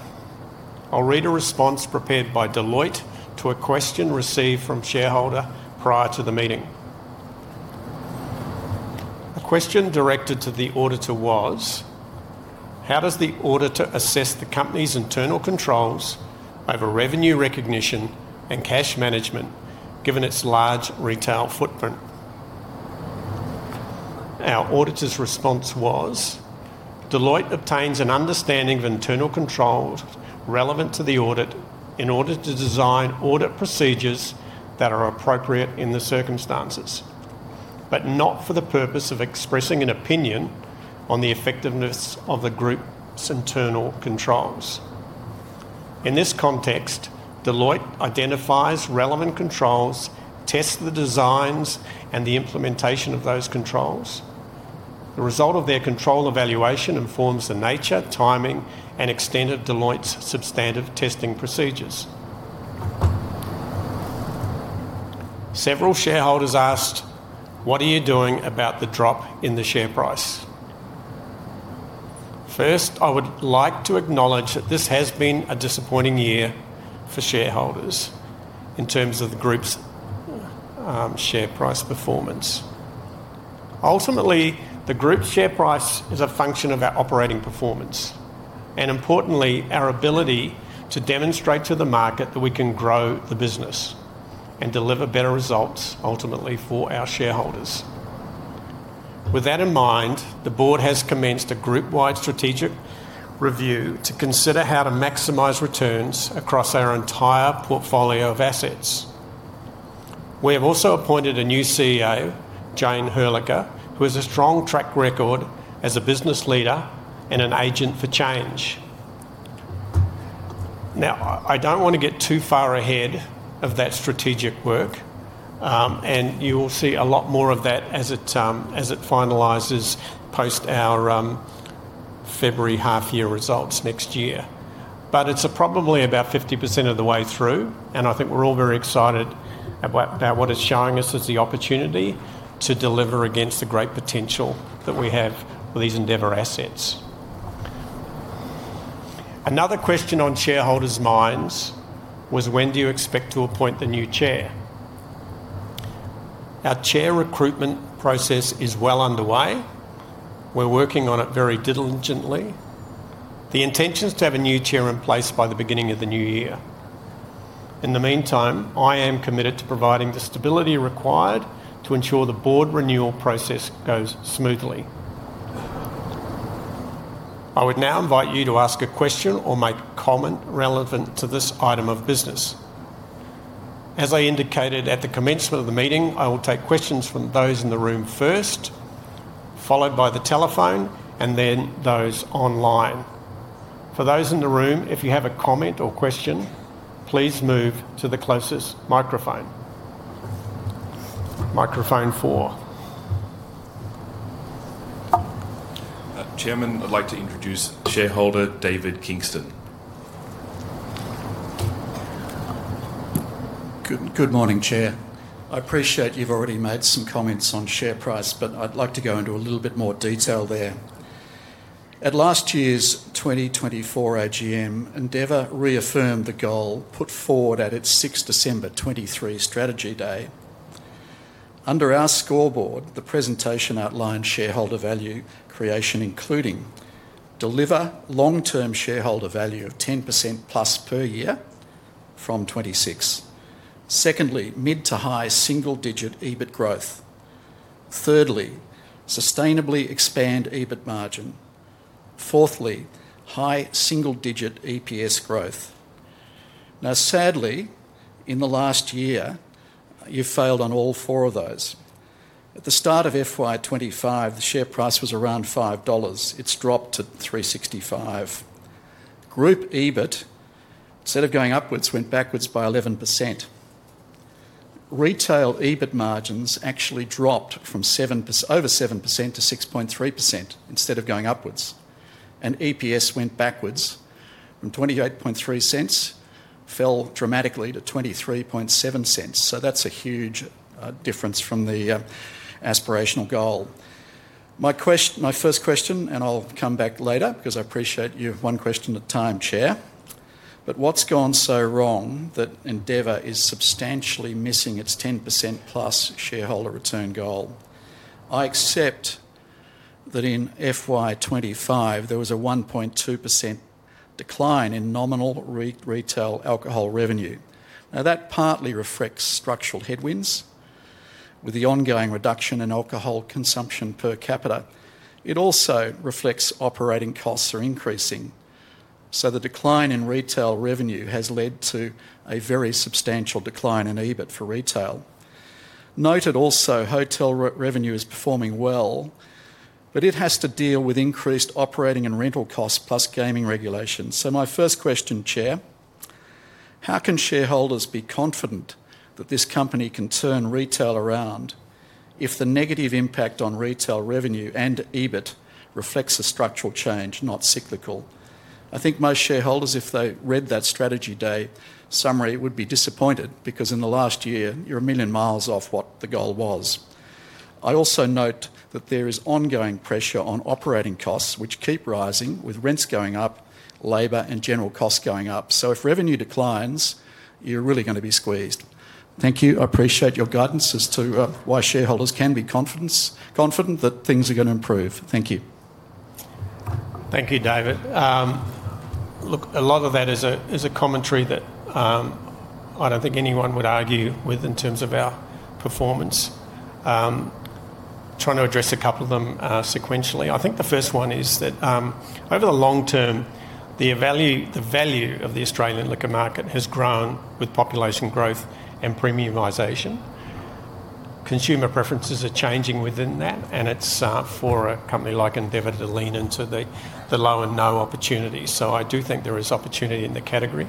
I'll read a response prepared by Deloitte to a question received from shareholder prior to the meeting. The question directed to the auditor was, "How does the auditor assess the company's internal controls over revenue recognition and cash management, given its large retail footprint?" Our auditor's response was, "Deloitte obtains an understanding of internal controls relevant to the audit in order to design audit procedures that are appropriate in the circumstances, but not for the purpose of expressing an opinion on the effectiveness of the group's internal controls. In this context, Deloitte identifies relevant controls, tests the designs, and the implementation of those controls. The result of their control evaluation informs the nature, timing, and extent of Deloitte's substantive testing procedures." Several shareholders asked, "What are you doing about the drop in the share price?" First, I would like to acknowledge that this has been a disappointing year for shareholders in terms of the group's share price performance. Ultimately, the group share price is a function of our operating performance and, importantly, our ability to demonstrate to the market that we can grow the business and deliver better results, ultimately, for our shareholders. With that in mind, the board has commenced a group-wide strategic review to consider how to maximise returns across our entire portfolio of assets. We have also appointed a new CEO, Jayne Hrdlicka, who has a strong track record as a business leader and an agent for change. Now, I don't want to get too far ahead of that strategic work, and you will see a lot more of that as it finalises post our February half-year results next year. It is probably about 50% of the way through, and I think we are all very excited about what it is showing us as the opportunity to deliver against the great potential that we have with these Endeavour assets. Another question on shareholders' minds was, "When do you expect to appoint the new chair?" Our chair recruitment process is well underway. We are working on it very diligently. The intention is to have a new chair in place by the beginning of the new year. In the meantime, I am committed to providing the stability required to ensure the board renewal process goes smoothly. I would now invite you to ask a question or make a comment relevant to this item of business. As I indicated at the commencement of the meeting, I will take questions from those in the room first, followed by the telephone, and then those online. For those in the room, if you have a comment or question, please move to the closest microphone. Microphone four. Chairman, I'd like to introduce shareholder David Kingston. Good morning, Chair. I appreciate you've already made some comments on share price, but I'd like to go into a little bit more detail there. At last year's 2024 AGM, Endeavour reaffirmed the goal put forward at its 6 December 2023 strategy day. Under our scoreboard, the presentation outlined shareholder value creation, including deliver long-term shareholder value of 10%+ per year from 2026. Secondly, mid to high single-digit EBIT growth. Thirdly, sustainably expand EBIT margin. Fourthly, high single-digit EPS growth. Now, sadly, in the last year, you've failed on all four of those. At the start of FY 2025, the share price was around 5 dollars. It's dropped to 3.65. Group EBIT, instead of going upwards, went backwards by 11%. Retail EBIT margins actually dropped from over 7% to 6.3% instead of going upwards. And EPS went backwards from 28.3, fell dramatically to 23.7 That's a huge difference from the aspirational goal. My first question, and I'll come back later because I appreciate you have one question at a time, Chair, but what's gone so wrong that Endeavour is substantially missing its 10%+ shareholder return goal? I accept that in FY 2025, there was a 1.2% decline in nominal retail alcohol revenue. That partly reflects structural headwinds with the ongoing reduction in alcohol consumption per capita. It also reflects operating costs are increasing. The decline in retail revenue has led to a very substantial decline in EBIT for retail. Note it also, hotel revenue is performing well, but it has to deal with increased operating and rental costs plus gaming regulations. My first question, Chair, how can shareholders be confident that this company can turn retail around if the negative impact on retail revenue and EBIT reflects a structural change, not cyclical? I think most shareholders, if they read that strategy day summary, would be disappointed because in the last year, you're a million miles off what the goal was. I also note that there is ongoing pressure on operating costs, which keep rising with rents going up, labor, and general costs going up. If revenue declines, you're really going to be squeezed. Thank you. I appreciate your guidance as to why shareholders can be confident that things are going to improve. Thank you. Thank you, David. Look, a lot of that is a commentary that I don't think anyone would argue with in terms of our performance. Trying to address a couple of them sequentially. I think the first one is that over the long term, the value of the Australian liquor market has grown with population growth and premiumisation. Consumer preferences are changing within that, and it's for a company like Endeavour to lean into the low and no opportunity. I do think there is opportunity in the category.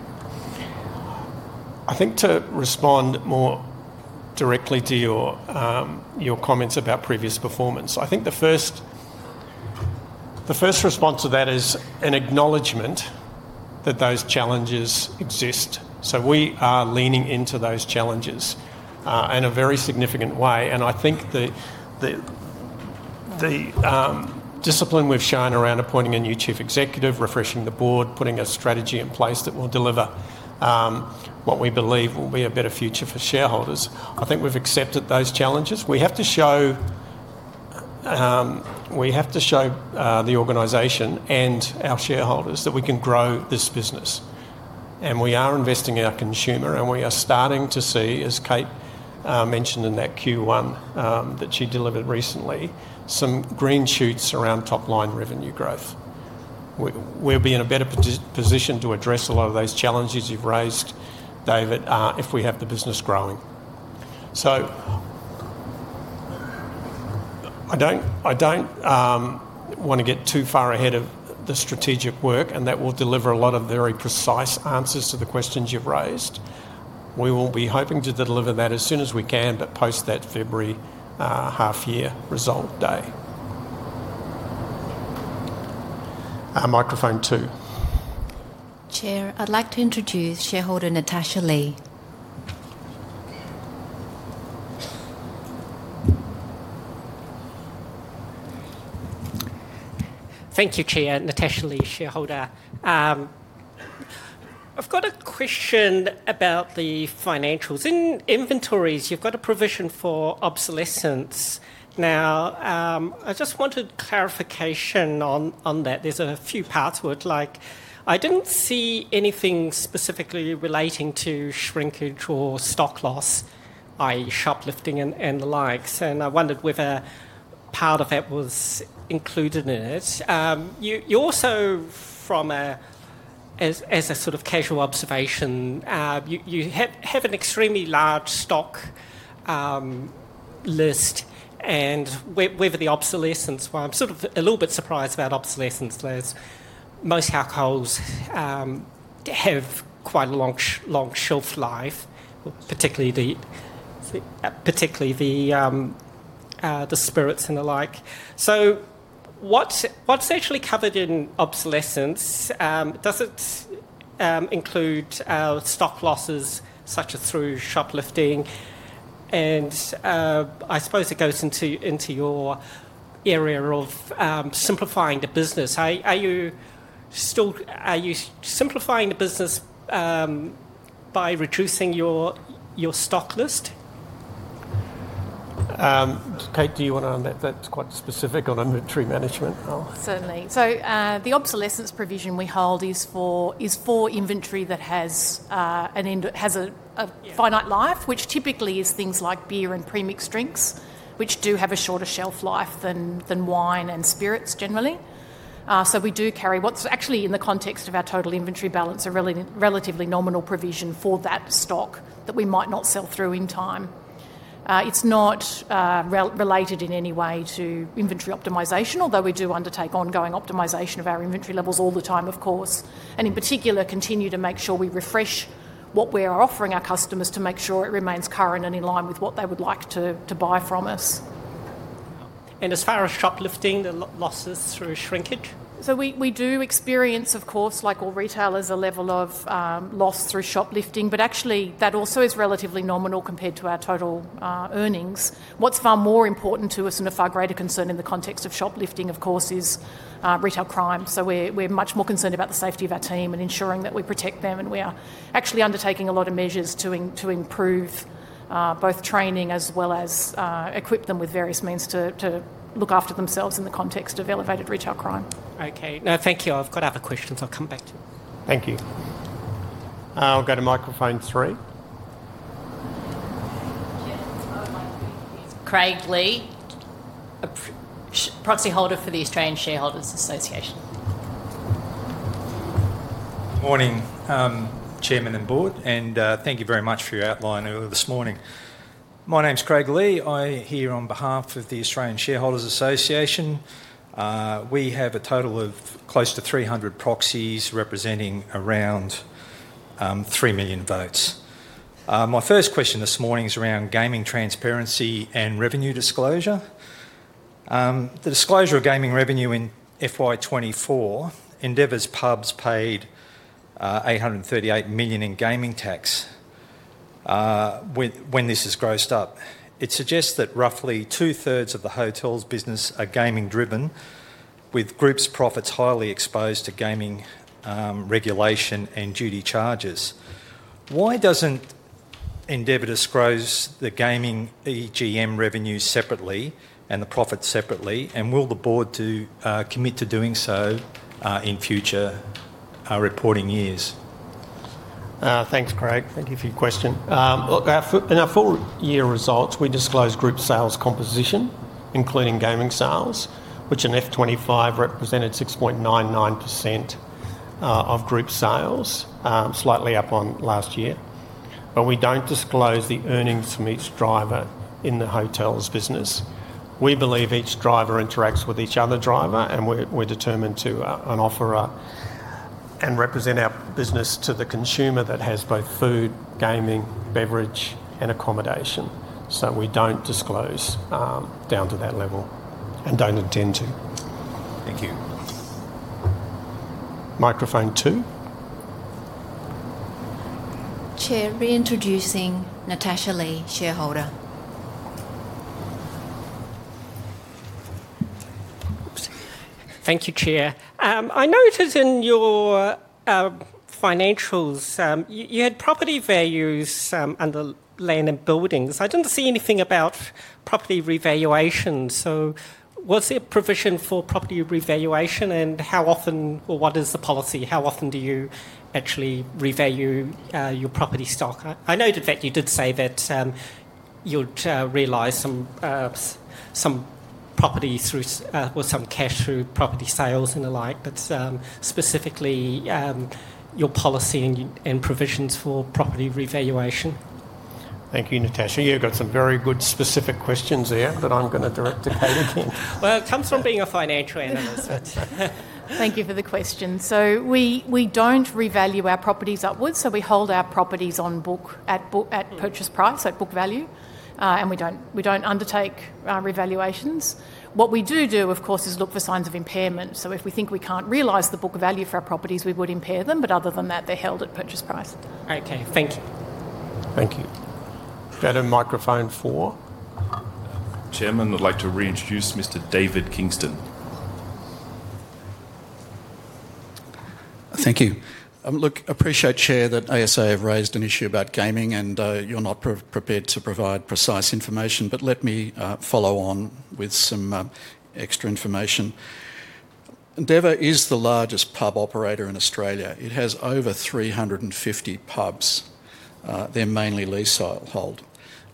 I think to respond more directly to your comments about previous performance, I think the first response to that is an acknowledgement that those challenges exist. We are leaning into those challenges in a very significant way. I think the discipline we have shown around appointing a new chief executive, refreshing the board, putting a strategy in place that will deliver what we believe will be a better future for shareholders, I think we have accepted those challenges. We have to show the organization and our shareholders that we can grow this business. We are investing in our consumer, and we are starting to see, as Kate mentioned in that Q1 that she delivered recently, some green shoots around top-line revenue growth. We will be in a better position to address a lot of those challenges you have raised, David, if we have the business growing. I do not want to get too far ahead of the strategic work, and that will deliver a lot of very precise answers to the questions you have raised. We will be hoping to deliver that as soon as we can, but post that February half-year result day. Microphone two. Chair, I'd like to introduce shareholder Natasha Lee. Thank you, Chair. Natasha Lee, shareholder. I've got a question about the financials. In inventories, you've got a provision for obsolescence. Now, I just wanted clarification on that. There's a few parts where it's like, I didn't see anything specifically relating to shrinkage or stock loss, i.e., shoplifting and the likes. I wondered whether part of that was included in it. You also, from a sort of casual observation, you have an extremely large stock list, and whether the obsolescence—I'm sort of a little bit surprised about obsolescence, Liz. Most alcohols have quite a long shelf life, particularly the spirits and the like. What's actually covered in obsolescence? Does it include stock losses such as through shoplifting? I suppose it goes into your area of simplifying the business. Are you simplifying the business by reducing your stock list? Kate, do you want to add that? That's quite specific on inventory management. Certainly. The obsolescence provision we hold is for inventory that has a finite life, which typically is things like beer and premixed drinks, which do have a shorter shelf life than wine and spirits generally. We do carry what is actually, in the context of our total inventory balance, a relatively nominal provision for that stock that we might not sell through in time. It is not related in any way to inventory optimization, although we do undertake ongoing optimization of our inventory levels all the time, of course. In particular, we continue to make sure we refresh what we are offering our customers to make sure it remains current and in line with what they would like to buy from us. As far as shoplifting, the losses through shrinkage? We do experience, of course, like all retailers, a level of loss through shoplifting, but actually, that also is relatively nominal compared to our total earnings. What's far more important to us, and of far greater concern in the context of shoplifting, of course, is retail crime. We are much more concerned about the safety of our team and ensuring that we protect them. We are actually undertaking a lot of measures to improve both training as well as equip them with various means to look after themselves in the context of elevated retail crime. Okay. No, thank you. I've got other questions. I'll come back to you. Thank you. I'll go to microphone three. Chair, I would like to introduce Craig Lee, proxy holder for the Australian Shareholders Association. Good morning, Chairman and Board. Thank you very much for your outline earlier this morning. My name's Craig Lee. I'm here on behalf of the Australian Shareholders Association. We have a total of close to 300 proxies representing around 3 million votes. My first question this morning is around gaming transparency and revenue disclosure. The disclosure of gaming revenue in FY 2024 Endeavour's pubs paid 838 million in gaming tax. When this is grossed up, it suggests that roughly two-thirds of the hotel's business are gaming-driven, with group's profits highly exposed to gaming regulation and duty charges. Why doesn't Endeavour disclose the gaming EGM revenues separately and the profits separately, and will the board commit to doing so in future reporting years? Thanks, Craig. Thank you for your question. In our full-year results, we disclose group sales composition, including gaming sales, which in FY 2025 represented 6.99% of group sales, slightly up on last year. We do not disclose the earnings from each driver in the hotels business. We believe each driver interacts with each other driver, and we are determined to offer and represent our business to the consumer that has both food, gaming, beverage, and accommodation. We do not disclose down to that level and do not intend to. Thank you. Microphone two. Chair, reintroducing Natasha Lee, shareholder. Thank you, Chair. I noticed in your financials, you had property values under land and buildings. I didn't see anything about property revaluation. Was there a provision for property revaluation, and how often, or what is the policy? How often do you actually revalue your property stock? I noted that you did say that you'd realize some property through or some cash through property sales and the like, but specifically your policy and provisions for property revaluation. Thank you, Natasha. You got some very good specific questions there that I'm going to direct to Kate again. It comes from being a financial analyst. Thank you for the question. We do not revalue our properties upwards. We hold our properties at purchase price, at book value, and we do not undertake revaluations. What we do do, of course, is look for signs of impairment. If we think we cannot realize the book value for our properties, we would impair them. Other than that, they are held at purchase price. Okay. Thank you. Thank you. Go to microphone four. Chairman, I'd like to reintroduce Mr. David Kingston. Thank you. Look, I appreciate, Chair, that ASA have raised an issue about gaming, and you're not prepared to provide precise information, but let me follow on with some extra information. Endeavour is the largest pub operator in Australia. It has over 350 pubs. They're mainly leasehold.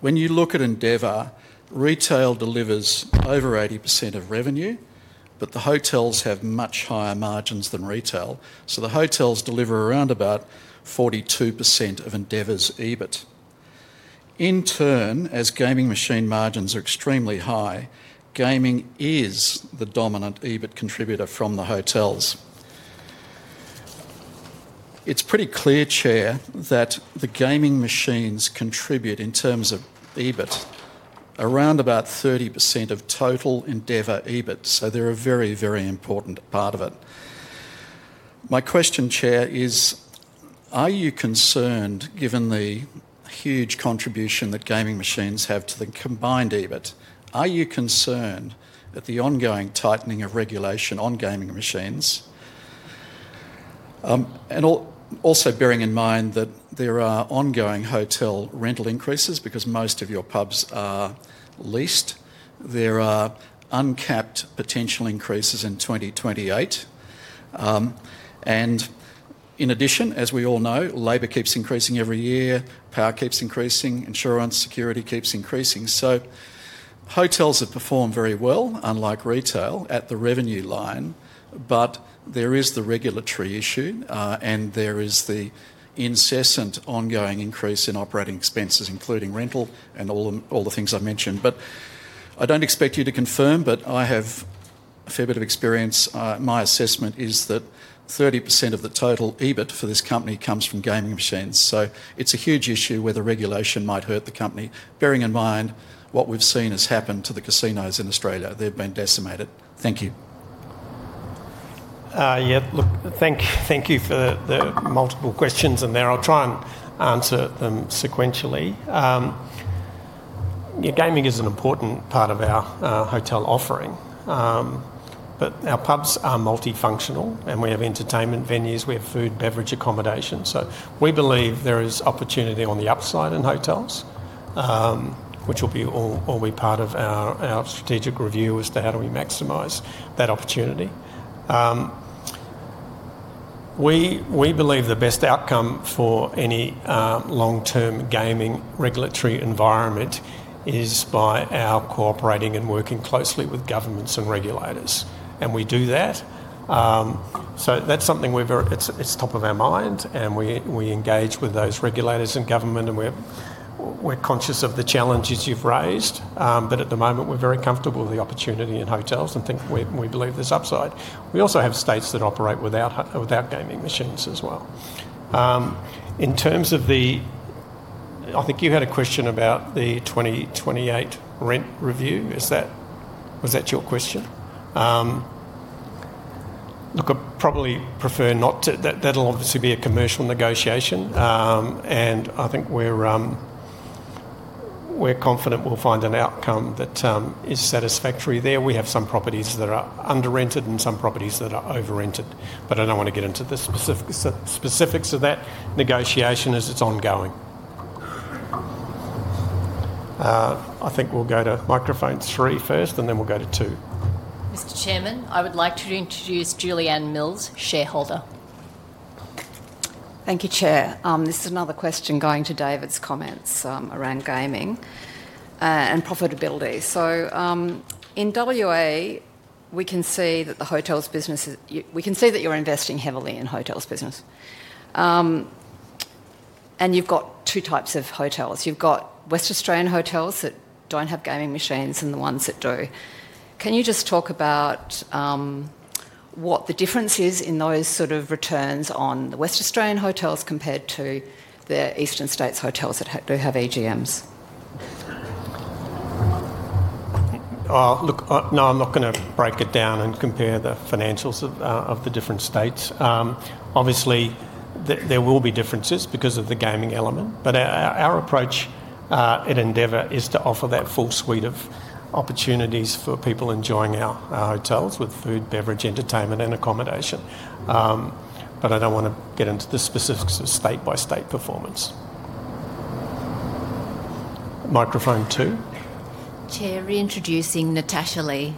When you look at Endeavour, retail delivers over 80% of revenue, but the hotels have much higher margins than retail. So the hotels deliver around about 42% of Endeavour's EBIT. In turn, as gaming machine margins are extremely high, gaming is the dominant EBIT contributor from the hotels. It's pretty clear, Chair, that the gaming machines contribute in terms of EBIT, around about 30% of total Endeavour EBIT. So they're a very, very important part of it. My question, Chair, is, are you concerned, given the huge contribution that gaming machines have to the combined EBIT, are you concerned at the ongoing tightening of regulation on gaming machines? Also bearing in mind that there are ongoing hotel rental increases because most of your pubs are leased. There are uncapped potential increases in 2028. In addition, as we all know, labor keeps increasing every year, power keeps increasing, insurance, security keeps increasing. Hotels have performed very well, unlike retail, at the revenue line. There is the regulatory issue, and there is the incessant ongoing increase in operating expenses, including rental and all the things I mentioned. I don't expect you to confirm, but I have a fair bit of experience. My assessment is that 30% of the total EBIT for this company comes from gaming machines. It's a huge issue where the regulation might hurt the company, bearing in mind what we've seen has happened to the casinos in Australia. They've been decimated. Thank you. Yeah, thank you for the multiple questions in there. I'll try and answer them sequentially. Gaming is an important part of our hotel offering, but our pubs are multifunctional, and we have entertainment venues. We have food, beverage, accommodation. We believe there is opportunity on the upside in hotels, which will be part of our strategic review as to how do we maximize that opportunity. We believe the best outcome for any long-term gaming regulatory environment is by our cooperating and working closely with governments and regulators. We do that. That's something that's very much top of our mind, and we engage with those regulators and government, and we're conscious of the challenges you've raised. At the moment, we're very comfortable with the opportunity in hotels and think we believe there's upside. We also have states that operate without gaming machines as well. In terms of the—I think you had a question about the 2028 rent review. Was that your question? Look, I'd probably prefer not to. That'll obviously be a commercial negotiation. I think we're confident we'll find an outcome that is satisfactory there. We have some properties that are under-rented and some properties that are over-rented. I don't want to get into the specifics of that negotiation as it's ongoing. I think we'll go to microphone three first, and then we'll go to two. Mr. Chairman, I would like to introduce Julianne Mills, shareholder. Thank you, Chair. This is another question going to David's comments around gaming and profitability. In West Australia, we can see that the hotels' business is—we can see that you're investing heavily in hotels' business. You've got two types of hotels. You've got West Australian hotels that don't have gaming machines and the ones that do. Can you just talk about what the difference is in those sort of returns on the West Australian hotels compared to the Eastern states' hotels that do have EGMs? Look, no, I'm not going to break it down and compare the financials of the different states. Obviously, there will be differences because of the gaming element. Our approach at Endeavour is to offer that full suite of opportunities for people enjoying our hotels with food, beverage, entertainment, and accommodation. I don't want to get into the specifics of state-by-state performance. Microphone two. Chair, reintroducing Natasha Lee.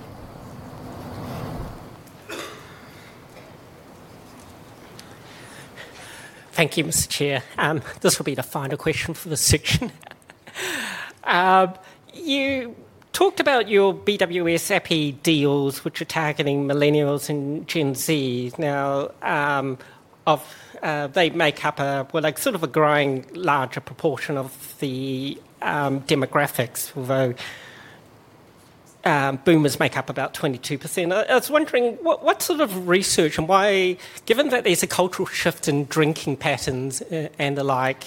Thank you, Mr. Chair. This will be the final question for this section. You talked about your BWS AP deals, which are targeting millennials and Gen Z. Now, they make up a, well, sort of a growing larger proportion of the demographics, although boomers make up about 22%. I was wondering what sort of research and why—given that there's a cultural shift in drinking patterns and the like,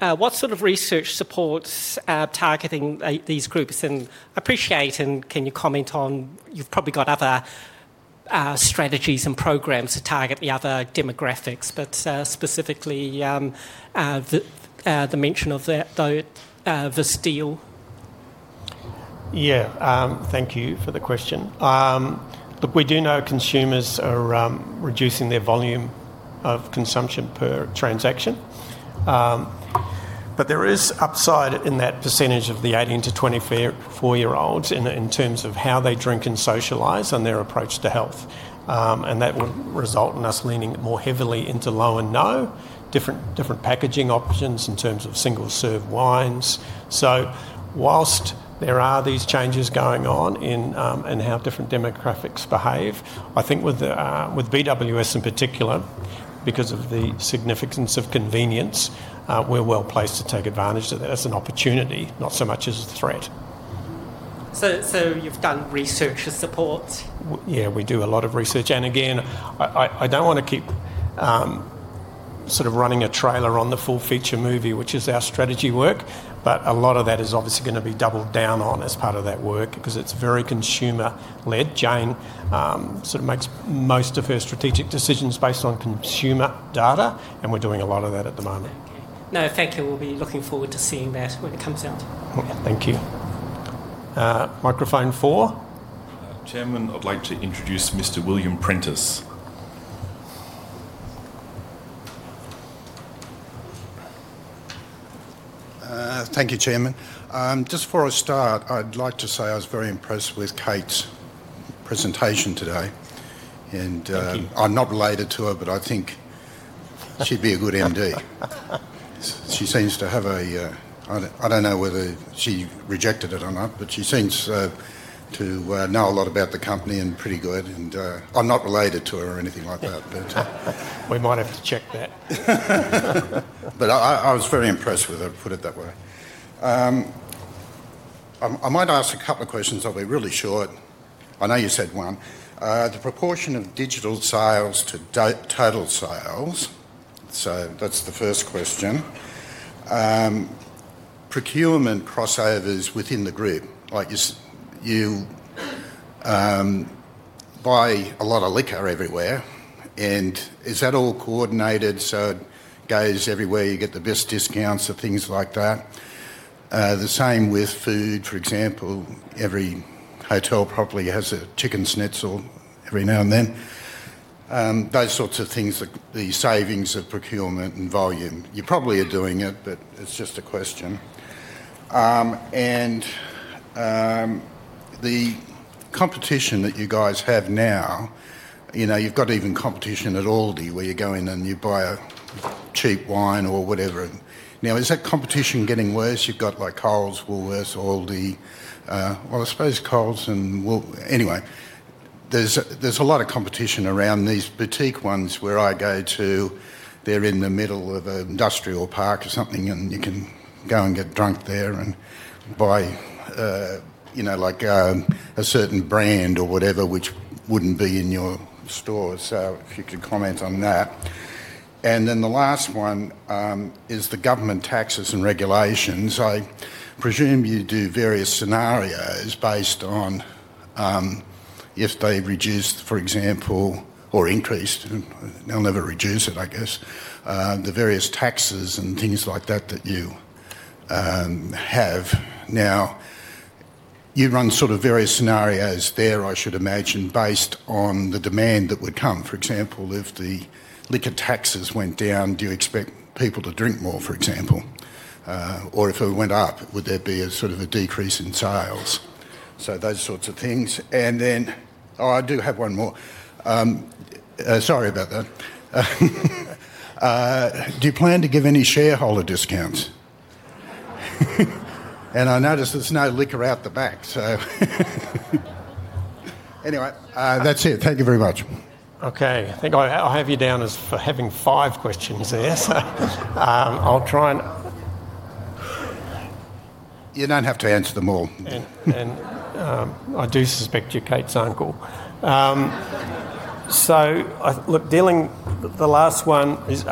what sort of research supports targeting these groups? I appreciate, and can you comment on—you've probably got other strategies and programs to target the other demographics, but specifically the mention of this deal. Yeah. Thank you for the question. Look, we do know consumers are reducing their volume of consumption per transaction. There is upside in that percentage of the 18-24-year-olds in terms of how they drink and socialize and their approach to health. That will result in us leaning more heavily into low and no, different packaging options in terms of single-serve wines. Whilst there are these changes going on in how different demographics behave, I think with BWS in particular, because of the significance of convenience, we're well placed to take advantage of that as an opportunity, not so much as a threat. You've done research to support. Yeah, we do a lot of research. Again, I do not want to keep sort of running a trailer on the full feature movie, which is our strategy work, but a lot of that is obviously going to be doubled down on as part of that work because it is very consumer-led. Jayne sort of makes most of her strategic decisions based on consumer data, and we are doing a lot of that at the moment. Okay. No, thank you. We'll be looking forward to seeing that when it comes out. Thank you. Microphone four. Chairman, I'd like to introduce Mr. William Prentis. Thank you, Chairman. Just before I start, I'd like to say I was very impressed with Kate's presentation today. I'm not related to her, but I think she'd be a good MD. She seems to have a—I don't know whether she rejected it or not, but she seems to know a lot about the company and pretty good. I'm not related to her or anything like that, but. We might have to check that. I was very impressed with her, put it that way. I might ask a couple of questions. I'll be really short. I know you said one. The proportion of digital sales to total sales, so that's the first question. Procurement crossovers within the group. You buy a lot of liquor everywhere, and is that all coordinated so it goes everywhere you get the best discounts or things like that? The same with food, for example. Every hotel probably has a chicken schnitzel every now and then. Those sorts of things, the savings of procurement and volume. You probably are doing it, but it's just a question. The competition that you guys have now, you've got even competition at Aldi where you go in and you buy a cheap wine or whatever. Now, is that competition getting worse? You've got like Coles, Woolworths, Aldi. I suppose Coles and Woolworths. Anyway, there's a lot of competition around these boutique ones where I go to. They're in the middle of an industrial park or something, and you can go and get drunk there and buy like a certain brand or whatever, which wouldn't be in your store. If you could comment on that. The last one is the government taxes and regulations. I presume you do various scenarios based on if they reduce, for example, or increase. They'll never reduce it, I guess. The various taxes and things like that that you have. Now, you run sort of various scenarios there, I should imagine, based on the demand that would come. For example, if the liquor taxes went down, do you expect people to drink more, for example? Or if it went up, would there be a sort of a decrease in sales? Those sorts of things. I do have one more. Sorry about that. Do you plan to give any shareholder discounts? I noticed there's no liquor out the back, so. Anyway, that's it. Thank you very much. Okay. I think I'll have you down as having five questions there. I'll try and. You don't have to answer them all. I do suspect you're Kate's uncle. Look, dealing the last one is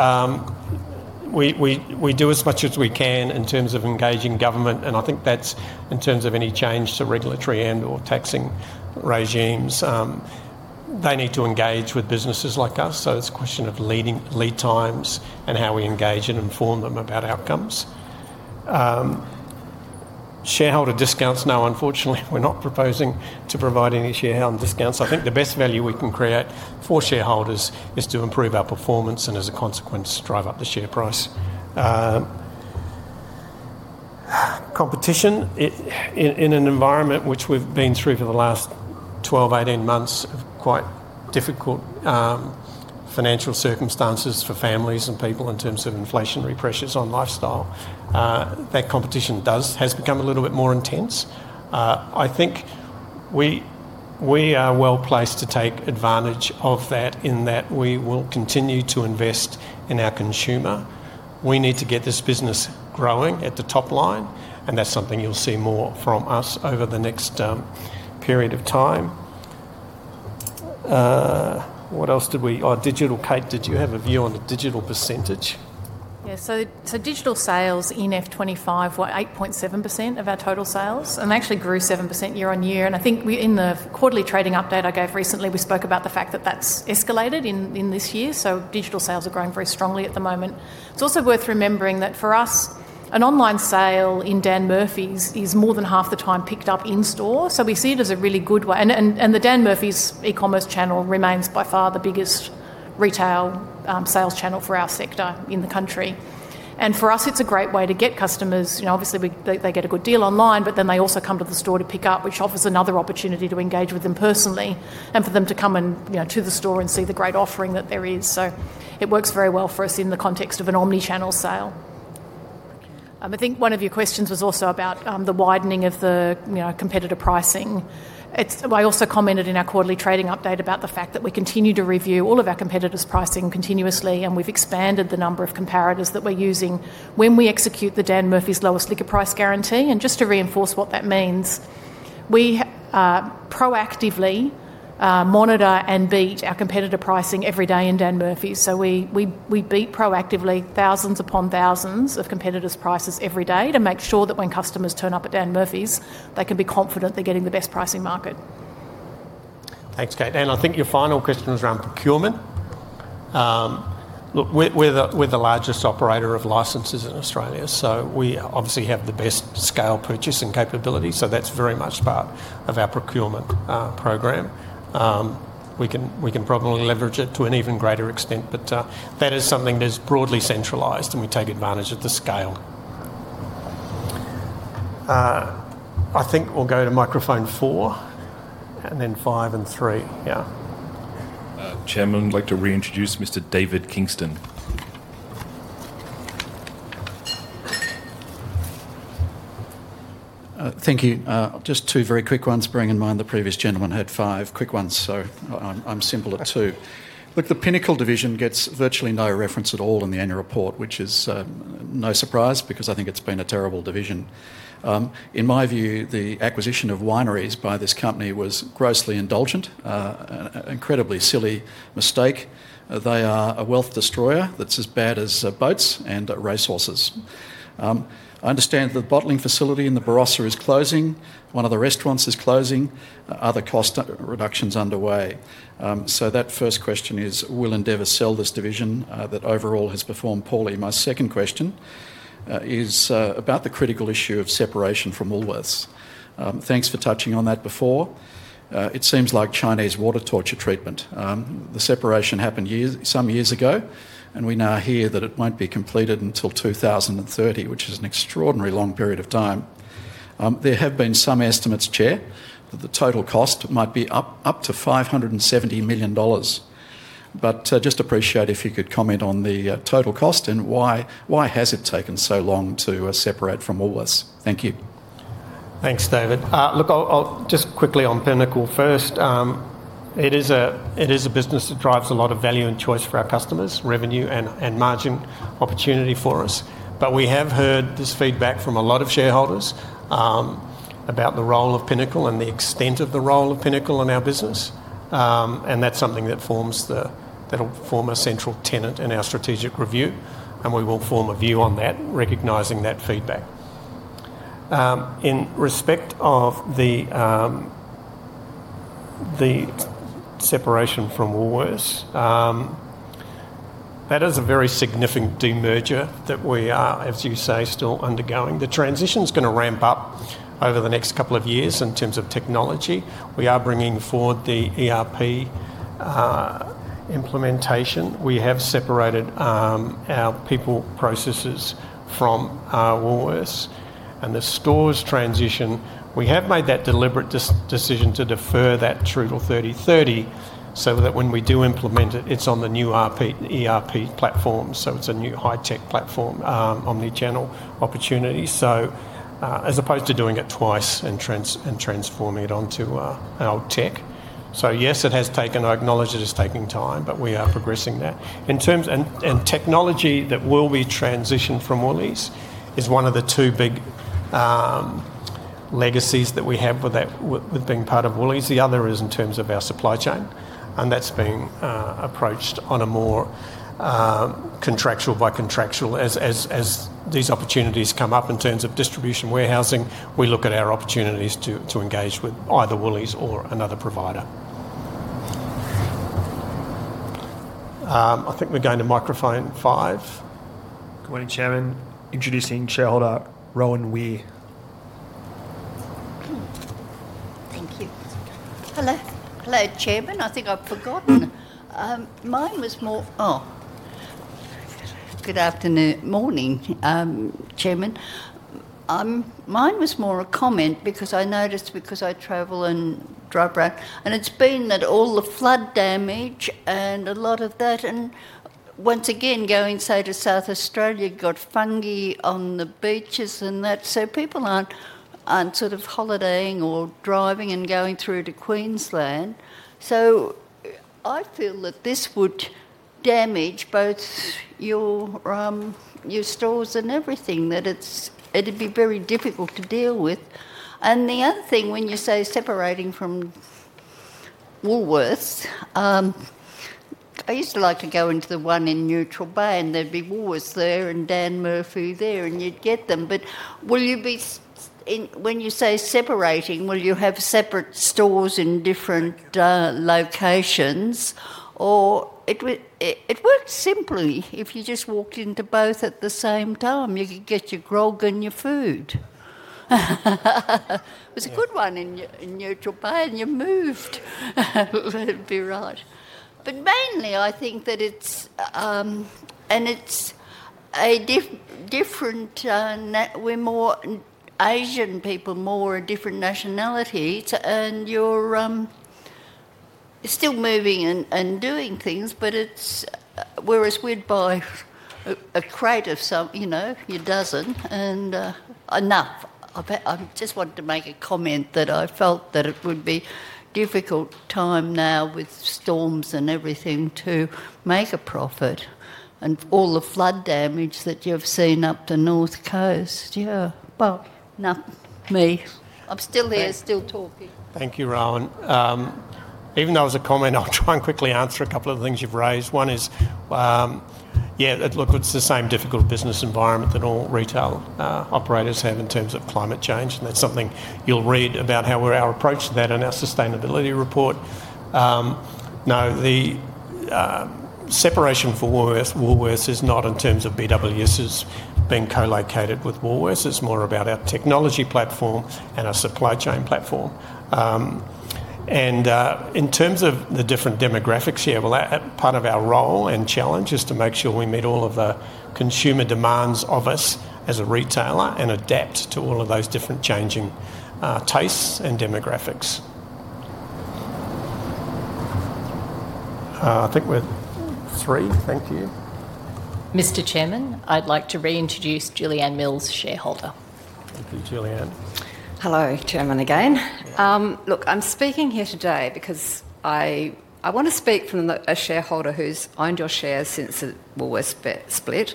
we do as much as we can in terms of engaging government. I think that's in terms of any change to regulatory and/or taxing regimes. They need to engage with businesses like us. It's a question of lead times and how we engage and inform them about outcomes. Shareholder discounts, no, unfortunately, we're not proposing to provide any shareholder discounts. I think the best value we can create for shareholders is to improve our performance and, as a consequence, drive up the share price. Competition in an environment which we've been through for the last 12-18 months of quite difficult financial circumstances for families and people in terms of inflationary pressures on lifestyle, that competition has become a little bit more intense. I think we are well placed to take advantage of that in that we will continue to invest in our consumer. We need to get this business growing at the top line, and that's something you'll see more from us over the next period of time. What else did we? Digital Kate, did you have a view on the digital percentage? Yeah. Digital sales in FY 2025 were 8.7% of our total sales. They actually grew 7% year-on-year. I think in the quarterly trading update I gave recently, we spoke about the fact that has escalated in this year. Digital sales are growing very strongly at the moment. It is also worth remembering that for us, an online sale in Dan Murphy's is more than half the time picked up in store. We see it as a really good way. The Dan Murphy's e-commerce channel remains by far the biggest retail sales channel for our sector in the country. For us, it is a great way to get customers. Obviously, they get a good deal online, but then they also come to the store to pick up, which offers another opportunity to engage with them personally and for them to come to the store and see the great offering that there is. It works very well for us in the context of an omnichannel sale. I think one of your questions was also about the widening of the competitor pricing. I also commented in our quarterly trading update about the fact that we continue to review all of our competitors' pricing continuously, and we have expanded the number of comparators that we are using when we execute the Dan Murphy's lowest liquor price guarantee. Just to reinforce what that means, we proactively monitor and beat our competitor pricing every day in Dan Murphy's. We beat proactively thousands upon thousands of competitors' prices every day to make sure that when customers turn up at Dan Murphy's, they can be confident they're getting the best pricing market. Thanks, Kate. I think your final question was around procurement. Look, we're the largest operator of licenses in Australia. We obviously have the best scale purchasing capability. That's very much part of our procurement program. We can probably leverage it to an even greater extent. That is something that's broadly centralized, and we take advantage of the scale. I think we'll go to microphone four and then five and three. Yeah. Chairman, I'd like to reintroduce Mr. David Kingston. Thank you. Just two very quick ones, bearing in mind the previous gentleman had five quick ones, so I'm simple at two. Look, the Pinnacle division gets virtually no reference at all in the annual report, which is no surprise because I think it's been a terrible division. In my view, the acquisition of wineries by this company was grossly indulgent, an incredibly silly mistake. They are a wealth destroyer that's as bad as boats and racehorses. I understand the bottling facility in the Barossa is closing. One of the restaurants is closing. Are there cost reductions underway? So that first question is, will Endeavour sell this division that overall has performed poorly? My second question is about the critical issue of separation from Woolworths. Thanks for touching on that before. It seems like Chinese water torture treatment. The separation happened some years ago, and we now hear that it won't be completed until 2030, which is an extraordinarily long period of time. There have been some estimates, Chair, that the total cost might be up to 570 million dollars. Just appreciate if you could comment on the total cost and why has it taken so long to separate from Woolworths? Thank you. Thanks, David. Look, I'll just quickly on Pinnacle first. It is a business that drives a lot of value and choice for our customers, revenue and margin opportunity for us. We have heard this feedback from a lot of shareholders about the role of Pinnacle and the extent of the role of Pinnacle in our business. That is something that will form a central tenet in our strategic review. We will form a view on that, recognizing that feedback. In respect of the separation from Woolworths, that is a very significant demerger that we are, as you say, still undergoing. The transition is going to ramp up over the next couple of years in terms of technology. We are bringing forward the ERP implementation. We have separated our people processes from Woolworths. The stores transition, we have made that deliberate decision to defer that through to 2030 so that when we do implement it, it is on the new ERP platform. It is a new high-tech platform, omnichannel opportunity. As opposed to doing it twice and transforming it onto old tech. Yes, it has taken, I acknowledge it is taking time, but we are progressing that. Technology that will be transitioned from Woolworths is one of the two big legacies that we have with being part of Woolworths. The other is in terms of our supply chain. That is being approached on a more contractual by contractual as these opportunities come up in terms of distribution warehousing, we look at our opportunities to engage with either Woolworths or another provider. I think we are going to microphone five. Good morning, Chairman. Introducing shareholder Rowan Weir. Thank you. Hello. Hello, Chairman. I think I've forgotten. Mine was more good afternoon. Morning, Chairman. Mine was more a comment because I noticed because I travel in dry brand. And it's been that all the flood damage and a lot of that. Once again, going say to South Australia, you've got fungi on the beaches and that. People aren't sort of holidaying or driving and going through to Queensland. I feel that this would damage both your stores and everything that it'd be very difficult to deal with. The other thing, when you say separating from Woolworths, I used to like to go into the one in Neutral Bay, and there'd be Woolworths there and Dan Murphy's there, and you'd get them. Will you be, when you say separating, will you have separate stores in different locations? Or it worked simply. If you just walked into both at the same time, you could get your grog and your food. It was a good one in Neutral Bay, and you moved. That'd be right. Mainly, I think that it's a different, we're more Asian people, more a different nationality. You're still moving and doing things, but it's whereas we'd buy a crate of something, you know, your dozen, and enough. I just wanted to make a comment that I felt that it would be a difficult time now with storms and everything to make a profit and all the flood damage that you've seen up the North Coast. Yeah. Enough. Me. I'm still here, still talking. Thank you, Rowan. Even though it was a comment, I'll try and quickly answer a couple of the things you've raised. One is, yeah, look, it's the same difficult business environment that all retail operators have in terms of climate change. That's something you'll read about, how our approach to that is in our sustainability report. No, the separation for Woolworths is not in terms of BWS being co-located with Woolworths. It's more about our technology platform and our supply chain platform. In terms of the different demographics here, part of our role and challenge is to make sure we meet all of the consumer demands of us as a retailer and adapt to all of those different changing tastes and demographics. I think we're three. Thank you. Mr. Chairman, I'd like to reintroduce Julianne Mills, shareholder. Thank you, Julianne. Hello, Chairman again. Look, I'm speaking here today because I want to speak from a shareholder who's owned your shares since Woolworths split,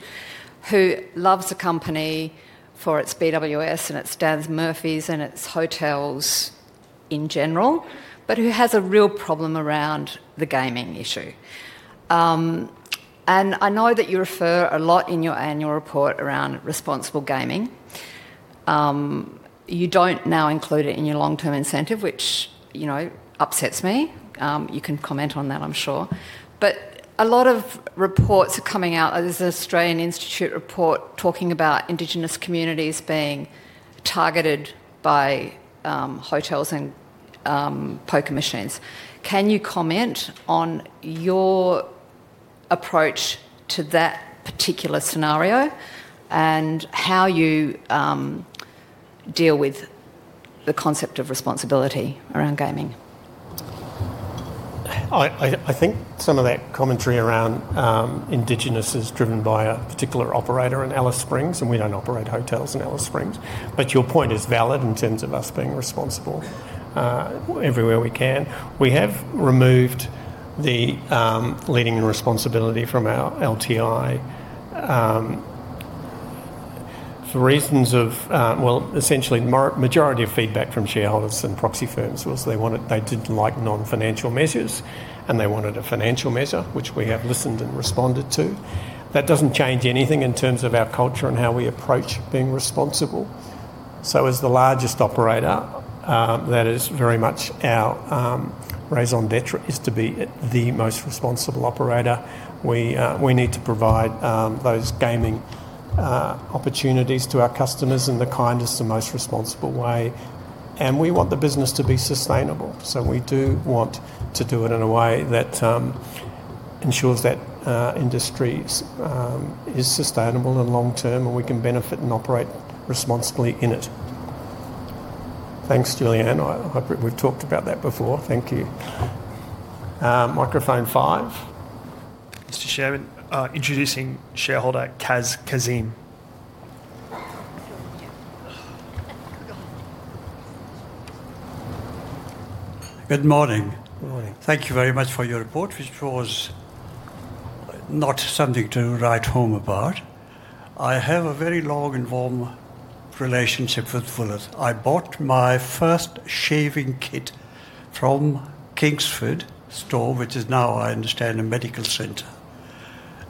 who loves the company for its BWS and its Dan Murphy's and its hotels in general, but who has a real problem around the gaming issue. I know that you refer a lot in your annual report around responsible gaming. You don't now include it in your long-term incentive, which upsets me. You can comment on that, I'm sure. A lot of reports are coming out. There's an Australian Institute report talking about indigenous communities being targeted by hotels and poker machines. Can you comment on your approach to that particular scenario and how you deal with the concept of responsibility around gaming? I think some of that commentary around Indigenous is driven by a particular operator in Alice Springs, and we do not operate hotels in Alice Springs. Your point is valid in terms of us being responsible everywhere we can. We have removed the leading responsibility from our LTI for reasons of, well, essentially the majority of feedback from shareholders and proxy firms was they did not like non-financial measures, and they wanted a financial measure, which we have listened and responded to. That does not change anything in terms of our culture and how we approach being responsible. As the largest operator, that is very much our raison d'être, to be the most responsible operator. We need to provide those gaming opportunities to our customers in the kindest and most responsible way. We want the business to be sustainable. We do want to do it in a way that ensures that industry is sustainable and long-term and we can benefit and operate responsibly in it. Thanks, Julianne. We've talked about that before. Thank you. Microphone five. Mr. Chairman, introducing shareholder Kaz Kazim. Good morning. Thank you very much for your report, which was not something to write home about. I have a very long and warm relationship with Woolworths. I bought my first shaving kit from Kingsford Store, which is now, I understand, a medical center.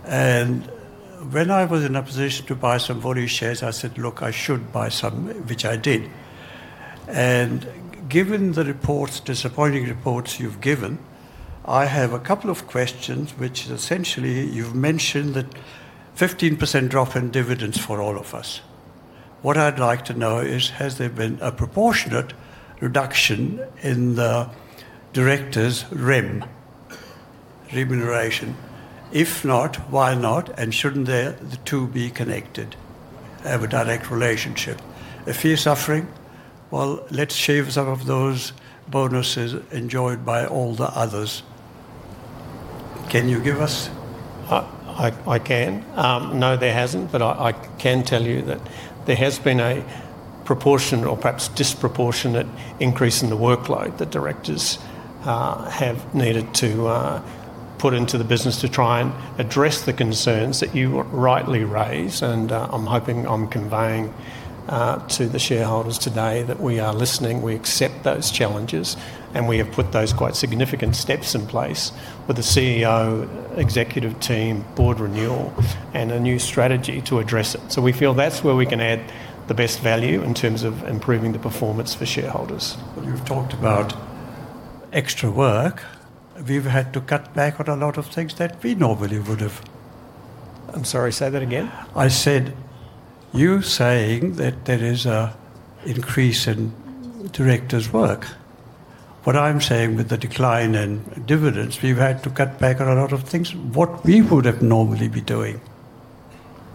When I was in a position to buy some Woollies shares, I said, "Look, I should buy some," which I did. Given the reports, disappointing reports you've given, I have a couple of questions, which essentially you've mentioned that 15% drop in dividends for all of us. What I'd like to know is, has there been a proportionate reduction in the directors' remuneration? If not, why not? Shouldn't the two be connected, have a direct relationship? If you're suffering, let's shave some of those bonuses enjoyed by all the others. Can you give us? I can. No, there has not. I can tell you that there has been a proportional or perhaps disproportionate increase in the workload that directors have needed to put into the business to try and address the concerns that you rightly raise. I am hoping I am conveying to the shareholders today that we are listening, we accept those challenges, and we have put those quite significant steps in place with the CEO, executive team, board renewal, and a new strategy to address it. We feel that is where we can add the best value in terms of improving the performance for shareholders. You've talked about extra work. Have you ever had to cut back on a lot of things that we normally would have? I'm sorry, say that again. I said you saying that there is an increase in directors' work. What I'm saying with the decline in dividends, we've had to cut back on a lot of things. What we would have normally been doing?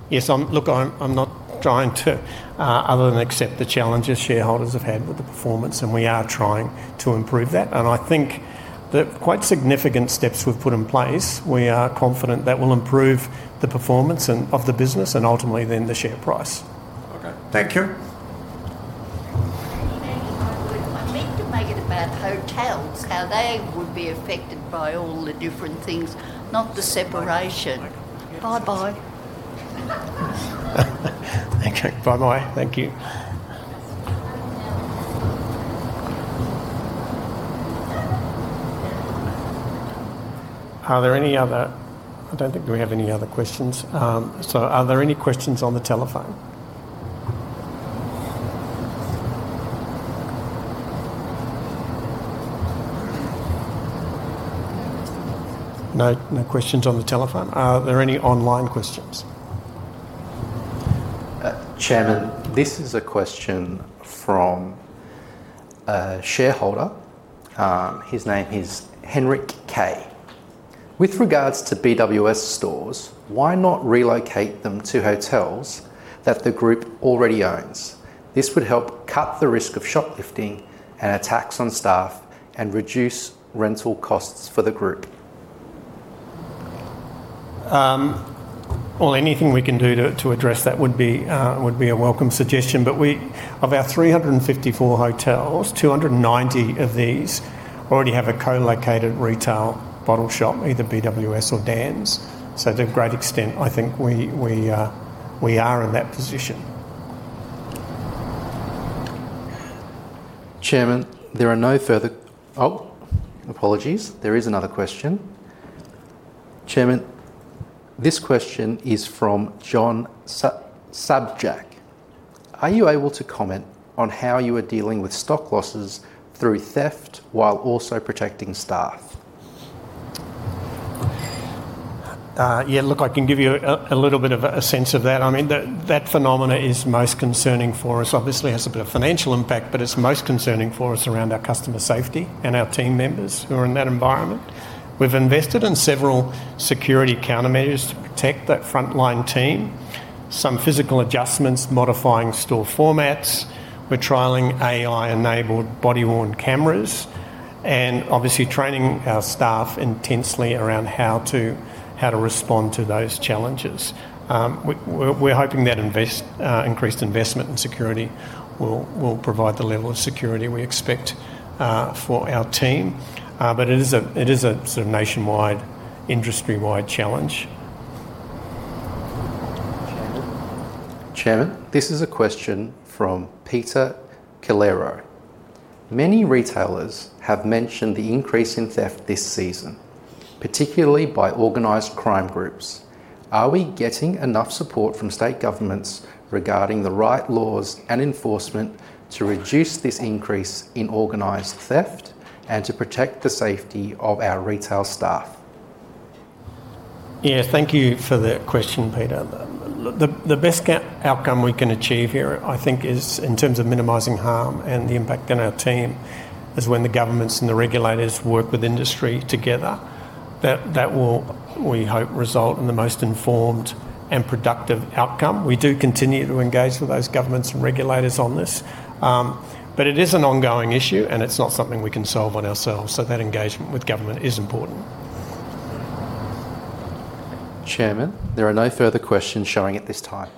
Yes. Look, I'm not trying to other than accept the challenges shareholders have had with the performance, and we are trying to improve that. I think that quite significant steps we've put in place. We are confident that will improve the performance of the business and ultimately then the share price. Okay. Thank you. I mean, you make it about hotels, how they would be affected by all the different things, not the separation. Bye-bye. Okay. Bye-bye. Thank you. Are there any other, I do not think we have any other questions. Are there any questions on the telephone? No questions on the telephone. Are there any online questions? Chairman, this is a question from a shareholder. His name is Henrik Kay. With regards to BWS stores, why not relocate them to hotels that the group already owns? This would help cut the risk of shoplifting and attacks on staff and reduce rental costs for the group. Anything we can do to address that would be a welcome suggestion. Of our 354 hotels, 290 of these already have a co-located retail bottle shop, either BWS or Dan's. To a great extent, I think we are in that position. Chairman, there are no further—oh, apologies. There is another question. Chairman, this question is from John Subjack. Are you able to comment on how you are dealing with stock losses through theft while also protecting staff? Yeah. Look, I can give you a little bit of a sense of that. I mean, that phenomena is most concerning for us. Obviously, it has a bit of financial impact, but it's most concerning for us around our customer safety and our team members who are in that environment. We've invested in several security countermeasures to protect that frontline team, some physical adjustments, modifying store formats. We're trialing AI-enabled body-worn cameras and obviously training our staff intensely around how to respond to those challenges. We're hoping that increased investment in security will provide the level of security we expect for our team. It is a sort of nationwide, industry-wide challenge. Chairman, this is a question from Peter Calero. Many retailers have mentioned the increase in theft this season, particularly by organized crime groups. Are we getting enough support from state governments regarding the right laws and enforcement to reduce this increase in organized theft and to protect the safety of our retail staff? Yeah. Thank you for the question, Peter. The best outcome we can achieve here, I think, is in terms of minimizing harm and the impact on our team is when the governments and the regulators work with industry together. That will, we hope, result in the most informed and productive outcome. We do continue to engage with those governments and regulators on this. It is an ongoing issue, and it's not something we can solve on ourselves. That engagement with government is important. Chairman, there are no further questions showing at this time.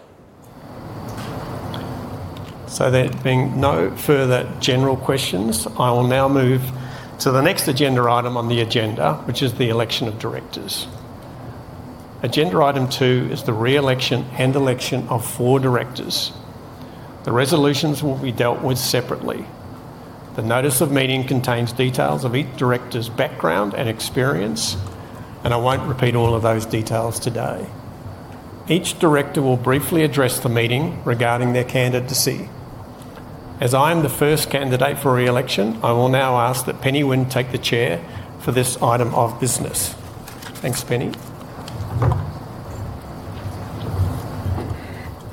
There being no further general questions, I will now move to the next agenda item on the agenda, which is the election of directors. Agenda item two is the re-election and election of four directors. The resolutions will be dealt with separately. The notice of meeting contains details of each director's background and experience, and I will not repeat all of those details today. Each director will briefly address the meeting regarding their candidacy. As I am the first candidate for re-election, I will now ask that Penny Winn take the chair for this item of business. Thanks, Penny.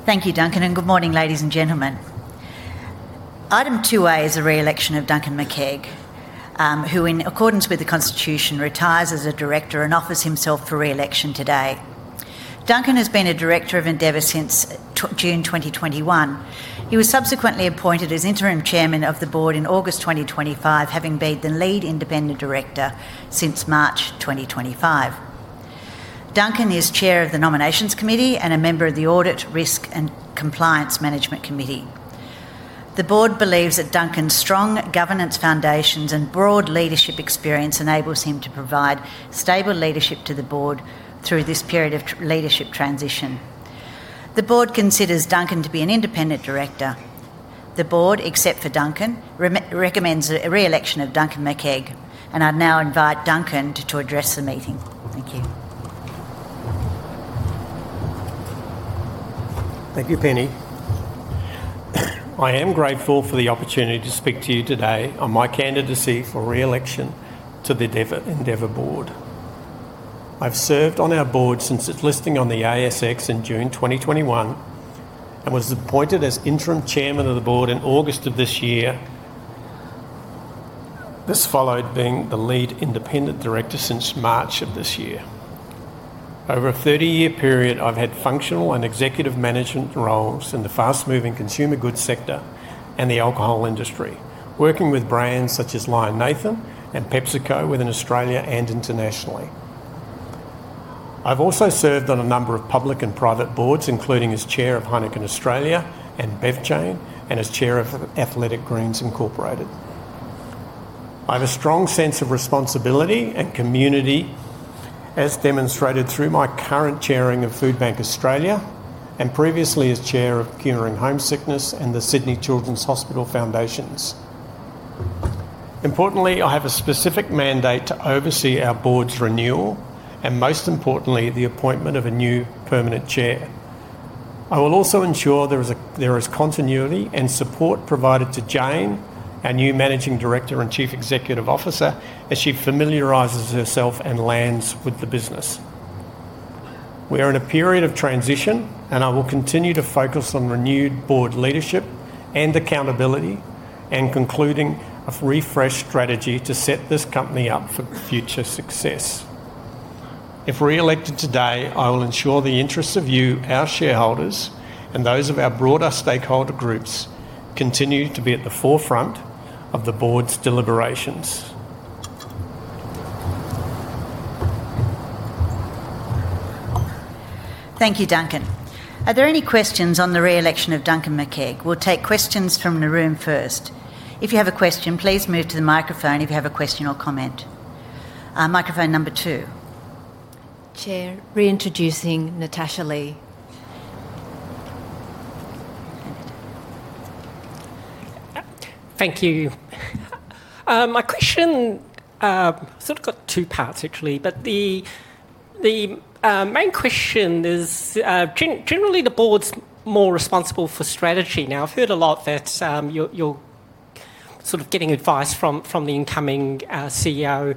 Thank you, Duncan. Good morning, ladies and gentlemen. Item 2A is a re-election of Duncan Makeig, who, in accordance with the Constitution, retires as a director and offers himself for re-election today. Duncan has been a director of Endeavour since June 2021. He was subsequently appointed as interim chairman of the board in August 2025, having been the lead independent director since March 2025. Duncan is chair of the Nominations Committee and a member of the Audit, Risk, and Compliance Management Committee. The board believes that Duncan's strong governance foundations and broad leadership experience enables him to provide stable leadership to the board through this period of leadership transition. The board considers Duncan to be an independent director. The board, except for Duncan, recommends a re-election of Duncan Makeig and I now invite Duncan to address the meeting. Thank you. Thank you, Penny. I am grateful for the opportunity to speak to you today on my candidacy for re-election to the Endeavour board. I've served on our board since its listing on the ASX in June 2021 and was appointed as interim Chairman of the board in August of this year. This followed being the lead independent director since March of this year. Over a 30-year period, I've had functional and executive management roles in the fast-moving consumer goods sector and the alcohol industry, working with brands such as Lion Nathan and PepsiCo within Australia and internationally. I've also served on a number of public and private boards, including as Chair of Heineken Australia and Bevchain, and as Chair of Athletic Greens, Incorporated. I have a strong sense of responsibility and community, as demonstrated through my current chairing of Food Bank Australia and previously as chair of Cure in Home Sickness and the Sydney Children's Hospital Foundations. Importantly, I have a specific mandate to oversee our board's renewal and, most importantly, the appointment of a new permanent Chair. I will also ensure there is continuity and support provided to Jayne, our new Managing Director and Chief Executive Officer, as she familiarizes herself and lands with the business. We are in a period of transition, and I will continue to focus on renewed board leadership and accountability and concluding a refreshed strategy to set this company up for future success. If re-elected today, I will ensure the interests of you, our shareholders, and those of our broader stakeholder groups continue to be at the forefront of the board's deliberations. Thank you, Duncan. Are there any questions on the re-election of Duncan Makeig? We'll take questions from the room first. If you have a question, please move to the microphone if you have a question or comment. Microphone number two. Chair, reintroducing Natasha Lee. Thank you. My question sort of got two parts, actually. But the main question is, generally, the board's more responsible for strategy. Now, I've heard a lot that you're sort of getting advice from the incoming CEO,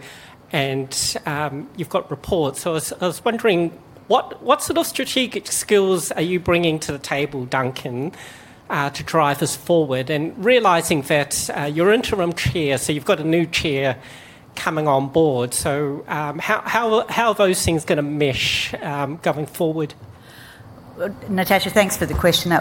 and you've got reports. So I was wondering, what sort of strategic skills are you bringing to the table, Duncan, to drive this forward? And realizing that you're interim Chair, so you've got a new Chair coming on board. So how are those things going to mesh going forward? Natasha, thanks for the question.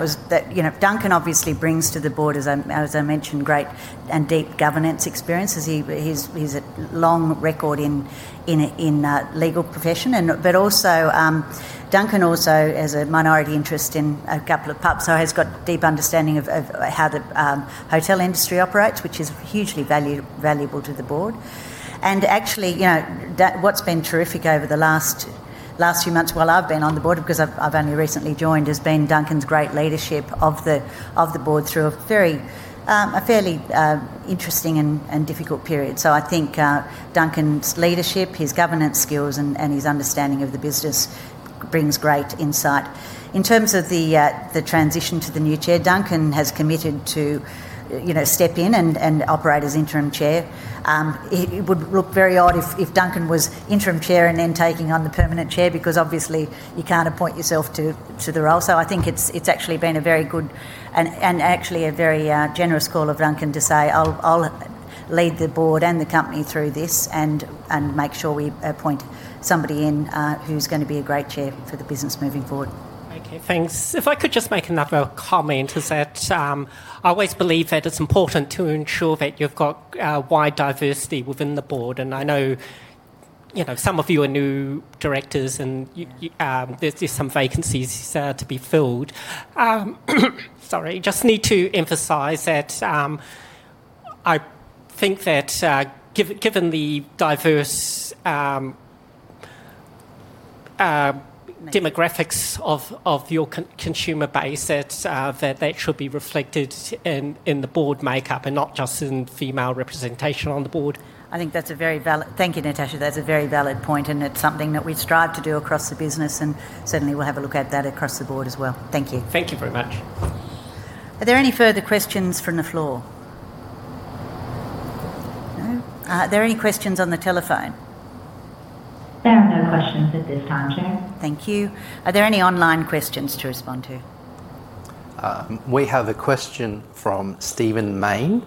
Duncan obviously brings to the board, as I mentioned, great and deep governance experience. He has a long record in the legal profession. Duncan also has a minority interest in a couple of pubs, so he has a deep understanding of how the hotel industry operates, which is hugely valuable to the board. Actually, what's been terrific over the last few months while I've been on the board, because I've only recently joined, has been Duncan's great leadership of the board through a fairly interesting and difficult period. I think Duncan's leadership, his governance skills, and his understanding of the business brings great insight. In terms of the transition to the new chair, Duncan has committed to step in and operate as interim chair. It would look very odd if Duncan was interim Chair and then taking on the permanent Chair because, obviously, you can't appoint yourself to the role. I think it's actually been a very good and actually a very generous call of Duncan to say, "I'll lead the board and the company through this and make sure we appoint somebody in who's going to be a great Chair for the business moving forward. Okay. Thanks. If I could just make another comment, I always believe that it's important to ensure that you've got wide diversity within the board. I know some of you are new directors, and there are some vacancies to be filled. Sorry. I just need to emphasize that I think that, given the diverse demographics of your consumer base, that should be reflected in the board makeup and not just in female representation on the board. I think that's a very valid thank you, Natasha. That's a very valid point, and it's something that we strive to do across the business. Certainly, we'll have a look at that across the board as well. Thank you. Thank you very much. Are there any further questions from the floor? No? Are there any questions on the telephone? There are no questions at this time, Chair. Thank you. Are there any online questions to respond to? We have a question from Stephen Main.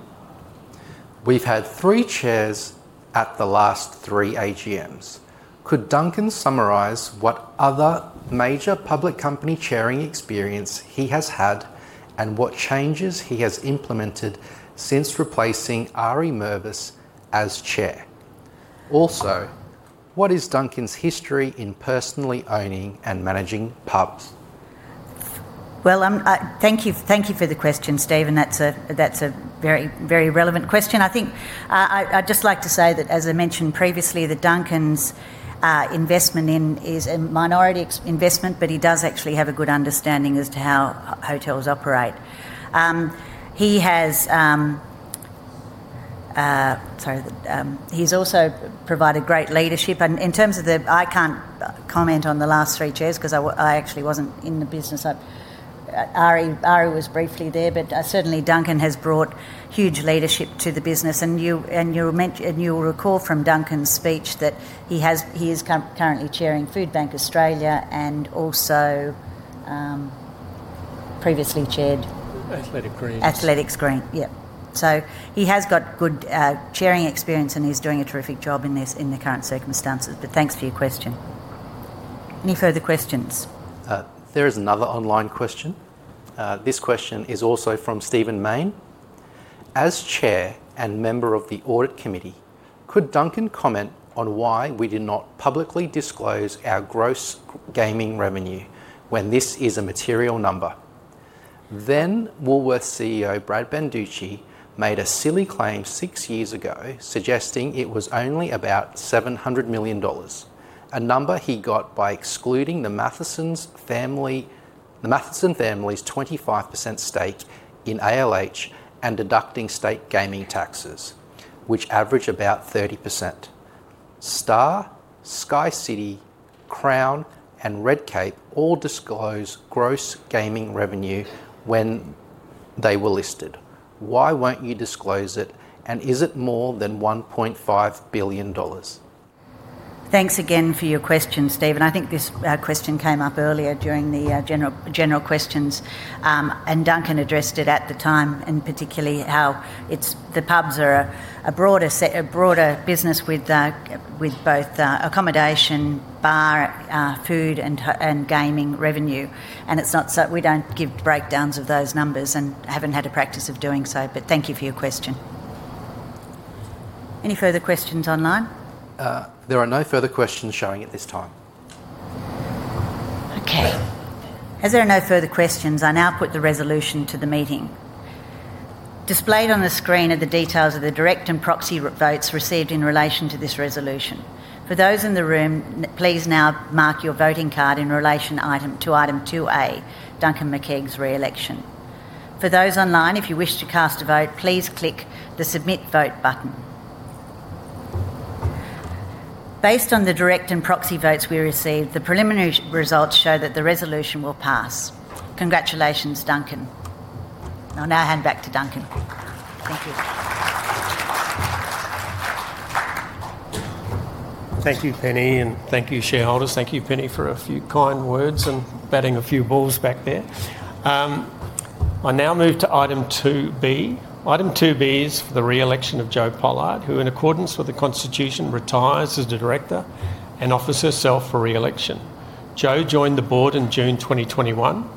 "We've had three chairs at the last three AGMs. Could Duncan summarize what other major public company chairing experience he has had and what changes he has implemented since replacing Ari Mervis as chair? Also, what is Duncan's history in personally owning and managing pubs? Thank you for the question, Steven. That's a very relevant question. I think I'd just like to say that, as I mentioned previously, Duncan's investment is a minority investment, but he does actually have a good understanding as to how hotels operate. He has also provided great leadership. In terms of the I can't comment on the last three chairs because I actually wasn't in the business. Ari was briefly there. Certainly, Duncan has brought huge leadership to the business. You'll recall from Duncan's speech that he is currently chairing Food Bank Australia and also previously chaired. Athletic Greens. Athletic Greens. Yeah. He has got good chairing experience, and he's doing a terrific job in this in the current circumstances. Thanks for your question. Any further questions? There is another online question. This question is also from Stephen Main. "As Chair and member of the Audit Committee, could Duncan comment on why we did not publicly disclose our gross gaming revenue when this is a material number? Then Woolworths CEO Brad Banducci made a silly claim six years ago suggesting it was only about 700 million dollars, a number he got by excluding the Matheson family's 25% stake in ALH and deducting state gaming taxes, which average about 30%. Star, SkyCity, Crown, and Redcape all disclose gross gaming revenue when they were listed. Why won't you disclose it? Is it more than 1.5 billion dollars? Thanks again for your question, Steven. I think this question came up earlier during the general questions. Duncan addressed it at the time, and particularly how the pubs are a broader business with both accommodation, bar, food, and gaming revenue. We do not give breakdowns of those numbers and have not had a practice of doing so. Thank you for your question. Any further questions online? There are no further questions showing at this time. Okay. As there are no further questions, I now put the resolution to the meeting. Displayed on the screen are the details of the direct and proxy votes received in relation to this resolution. For those in the room, please now mark your voting card in relation to item 2A, Duncan Makeig's re-election. For those online, if you wish to cast a vote, please click the Submit Vote button. Based on the direct and proxy votes we received, the preliminary results show that the resolution will pass. Congratulations, Duncan. I'll now hand back to Duncan. Thank you. Thank you, Penny. Thank you, shareholders. Thank you, Penny, for a few kind words and batting a few balls back there. I now move to item 2B. Item 2B is for the re-election of Joe Pollard, who, in accordance with the Constitution, retires as a director and offers herself for re-election. Joe joined the board in June 2021.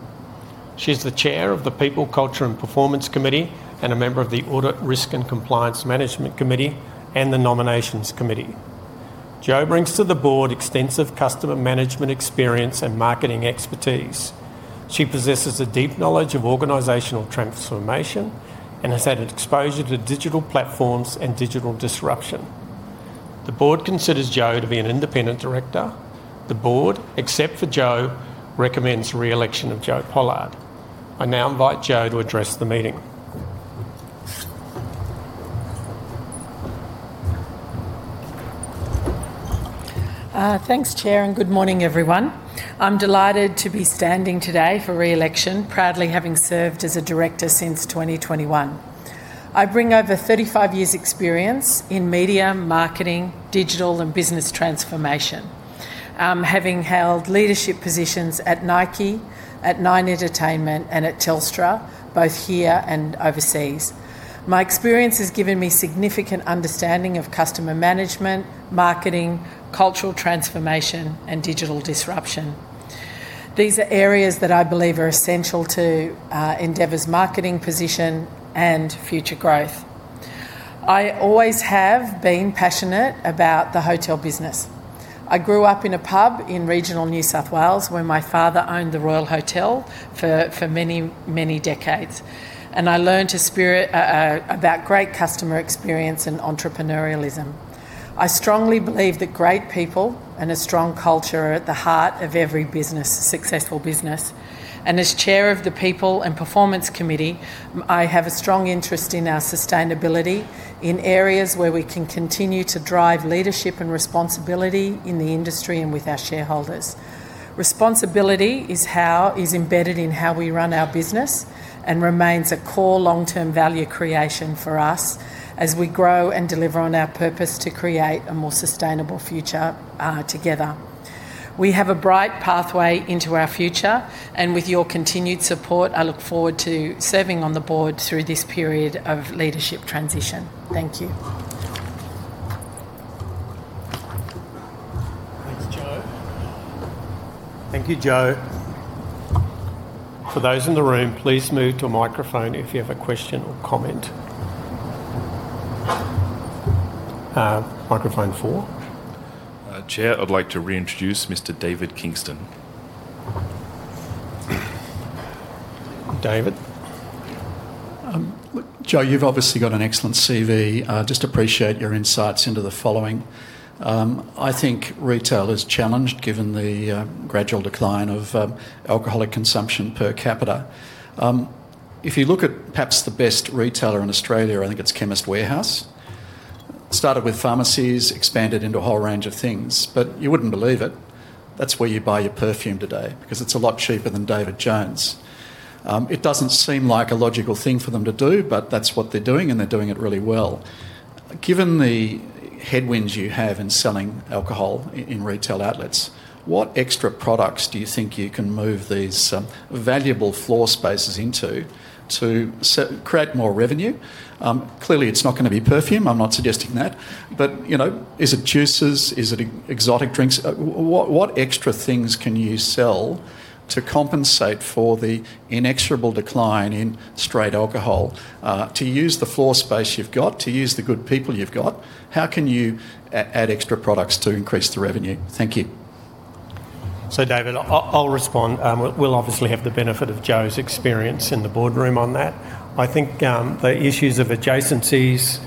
She is the Chair of the People, Culture and Performance Committee and a member of the Audit, Risk and Compliance Management Committee and the Nominations Committee. Joe brings to the board extensive customer management experience and marketing expertise. She possesses a deep knowledge of organizational transformation and has had exposure to digital platforms and digital disruption. The board considers Joe to be an independent director. The board, except for Joe, recommends re-election of Joe Pollard. I now invite Joe to address the meeting. Thanks, Chair. Good morning, everyone. I'm delighted to be standing today for re-election, proudly having served as a director since 2021. I bring over 35 years' experience in media, marketing, digital, and business transformation, having held leadership positions at Nike, at Nine Entertainment, and at Telstra, both here and overseas. My experience has given me significant understanding of customer management, marketing, cultural transformation, and digital disruption. These are areas that I believe are essential to Endeavour's marketing position and future growth. I always have been passionate about the hotel business. I grew up in a pub in regional New South Wales where my father owned the Royal Hotel for many, many decades. I learned a spirit about great customer experience and entrepreneurialism. I strongly believe that great people and a strong culture are at the heart of every successful business. As Chair of the People and Performance Committee, I have a strong interest in our sustainability in areas where we can continue to drive leadership and responsibility in the industry and with our shareholders. Responsibility is embedded in how we run our business and remains a core long-term value creation for us as we grow and deliver on our purpose to create a more sustainable future together. We have a bright pathway into our future. With your continued support, I look forward to serving on the board through this period of leadership transition. Thank you. Thanks, Joe. Thank you, Joe. For those in the room, please move to a microphone if you have a question or comment. Microphone four. Chair, I'd like to reintroduce Mr. David Kingston. Joe, you've obviously got an excellent CV. Just appreciate your insights into the following. I think retail is challenged given the gradual decline of alcoholic consumption per capita. If you look at perhaps the best retailer in Australia, I think it's Chemist Warehouse. Started with pharmacies, expanded into a whole range of things. You wouldn't believe it. That's where you buy your perfume today because it's a lot cheaper than David Jones. It doesn't seem like a logical thing for them to do, but that's what they're doing, and they're doing it really well. Given the headwinds you have in selling alcohol in retail outlets, what extra products do you think you can move these valuable floor spaces into to create more revenue? Clearly, it's not going to be perfume. I'm not suggesting that. Is it juices? Is it exotic drinks? What extra things can you sell to compensate for the inexorable decline in straight alcohol? To use the floor space you've got, to use the good people you've got, how can you add extra products to increase the revenue? Thank you. David, I'll respond. We'll obviously have the benefit of Joe's experience in the boardroom on that. I think the issues of adjacencies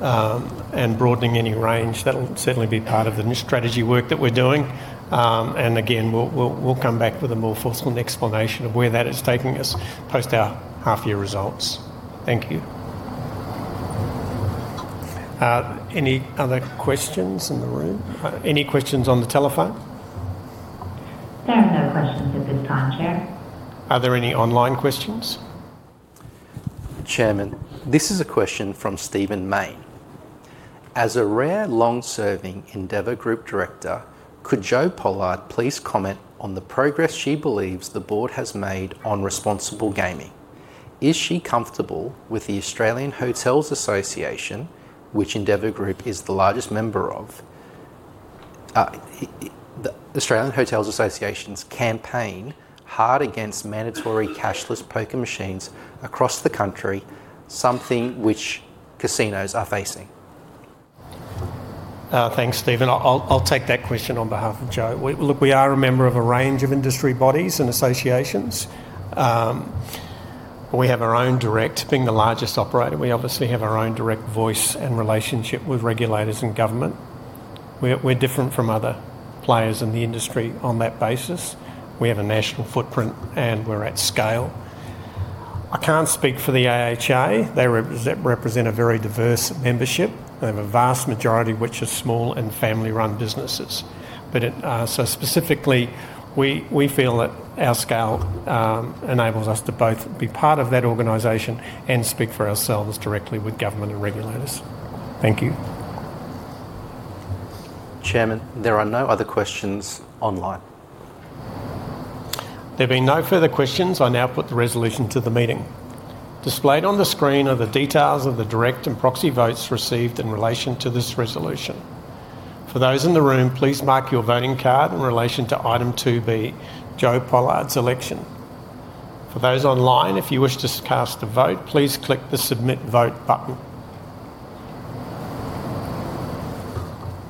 and broadening any range, that'll certainly be part of the new strategy work that we're doing. Again, we'll come back with a more forceful explanation of where that is taking us post our half-year results. Thank you. Any other questions in the room? Any questions on the telephone? There are no questions at this time, Chair. Are there any online questions? Chairman, this is a question from Stephen Main. As a rare, long-serving Endeavour Group director, could Joe Pollard please comment on the progress she believes the board has made on responsible gaming? Is she comfortable with the Australian Hotels Association, which Endeavour Group is the largest member of? The Australian Hotels Association's campaign hard against mandatory cashless poker machines across the country, something which casinos are facing. Thanks, Stephen. I'll take that question on behalf of Joe. Look, we are a member of a range of industry bodies and associations. We have our own direct. Being the largest operator, we obviously have our own direct voice and relationship with regulators and government. We're different from other players in the industry on that basis. We have a national footprint, and we're at scale. I can't speak for the AHA. They represent a very diverse membership, a vast majority of which are small and family-run businesses. Specifically, we feel that our scale enables us to both be part of that organization and speak for ourselves directly with government and regulators. Thank you. Chairman, there are no other questions online. There being no further questions, I now put the resolution to the meeting. Displayed on the screen are the details of the direct and proxy votes received in relation to this resolution. For those in the room, please mark your voting card in relation to item 2B, Joe Pollard's election. For those online, if you wish to cast a vote, please click the Submit Vote button.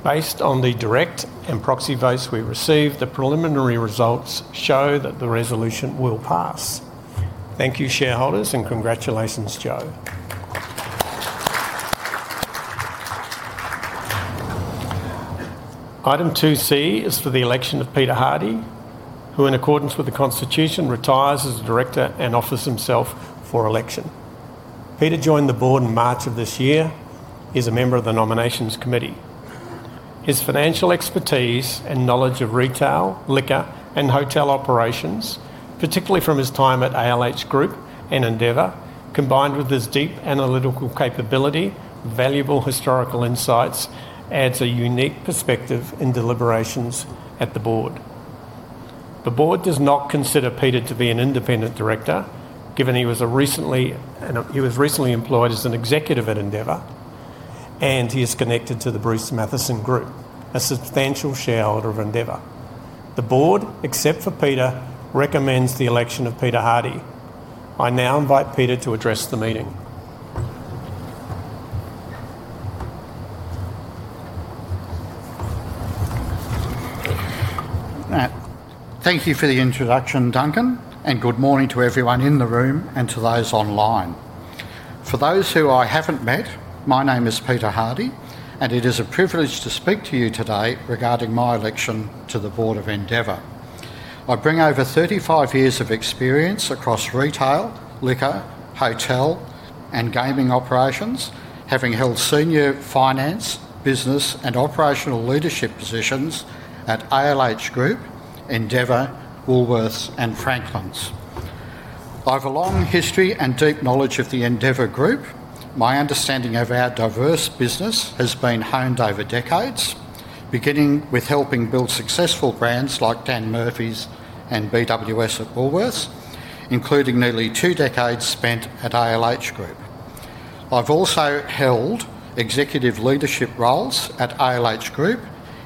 Based on the direct and proxy votes we received, the preliminary results show that the resolution will pass. Thank you, shareholders, and congratulations, Joe. Item 2C is for the election of Peter Hardy, who, in accordance with the Constitution, retires as a director and offers himself for election. Peter joined the board in March of this year. He's a member of the Nominations Committee. His financial expertise and knowledge of retail, liquor, and hotel operations, particularly from his time at ALH Group and Endeavour, combined with his deep analytical capability, valuable historical insights, adds a unique perspective in deliberations at the board. The board does not consider Peter to be an independent director, given he was recently employed as an executive at Endeavour, and he is connected to the Bruce Matheson Group, a substantial shareholder of Endeavour. The board, except for Peter, recommends the election of Peter Hardy. I now invite Peter to address the meeting. Thank you for the introduction, Duncan. Good morning to everyone in the room and to those online. For those who I haven't met, my name is Peter Hardy, and it is a privilege to speak to you today regarding my election to the board of Endeavour. I bring over 35 years of experience across retail, liquor, hotel, and gaming operations, having held senior finance, business, and operational leadership positions at ALH Group, Endeavour, Woolworths, and Franklins. I have a long history and deep knowledge of the Endeavour Group. My understanding of our diverse business has been honed over decades, beginning with helping build successful brands like Dan Murphy's and BWS at Woolworths, including nearly two decades spent at ALH Group. I've also held executive leadership roles at ALH Group,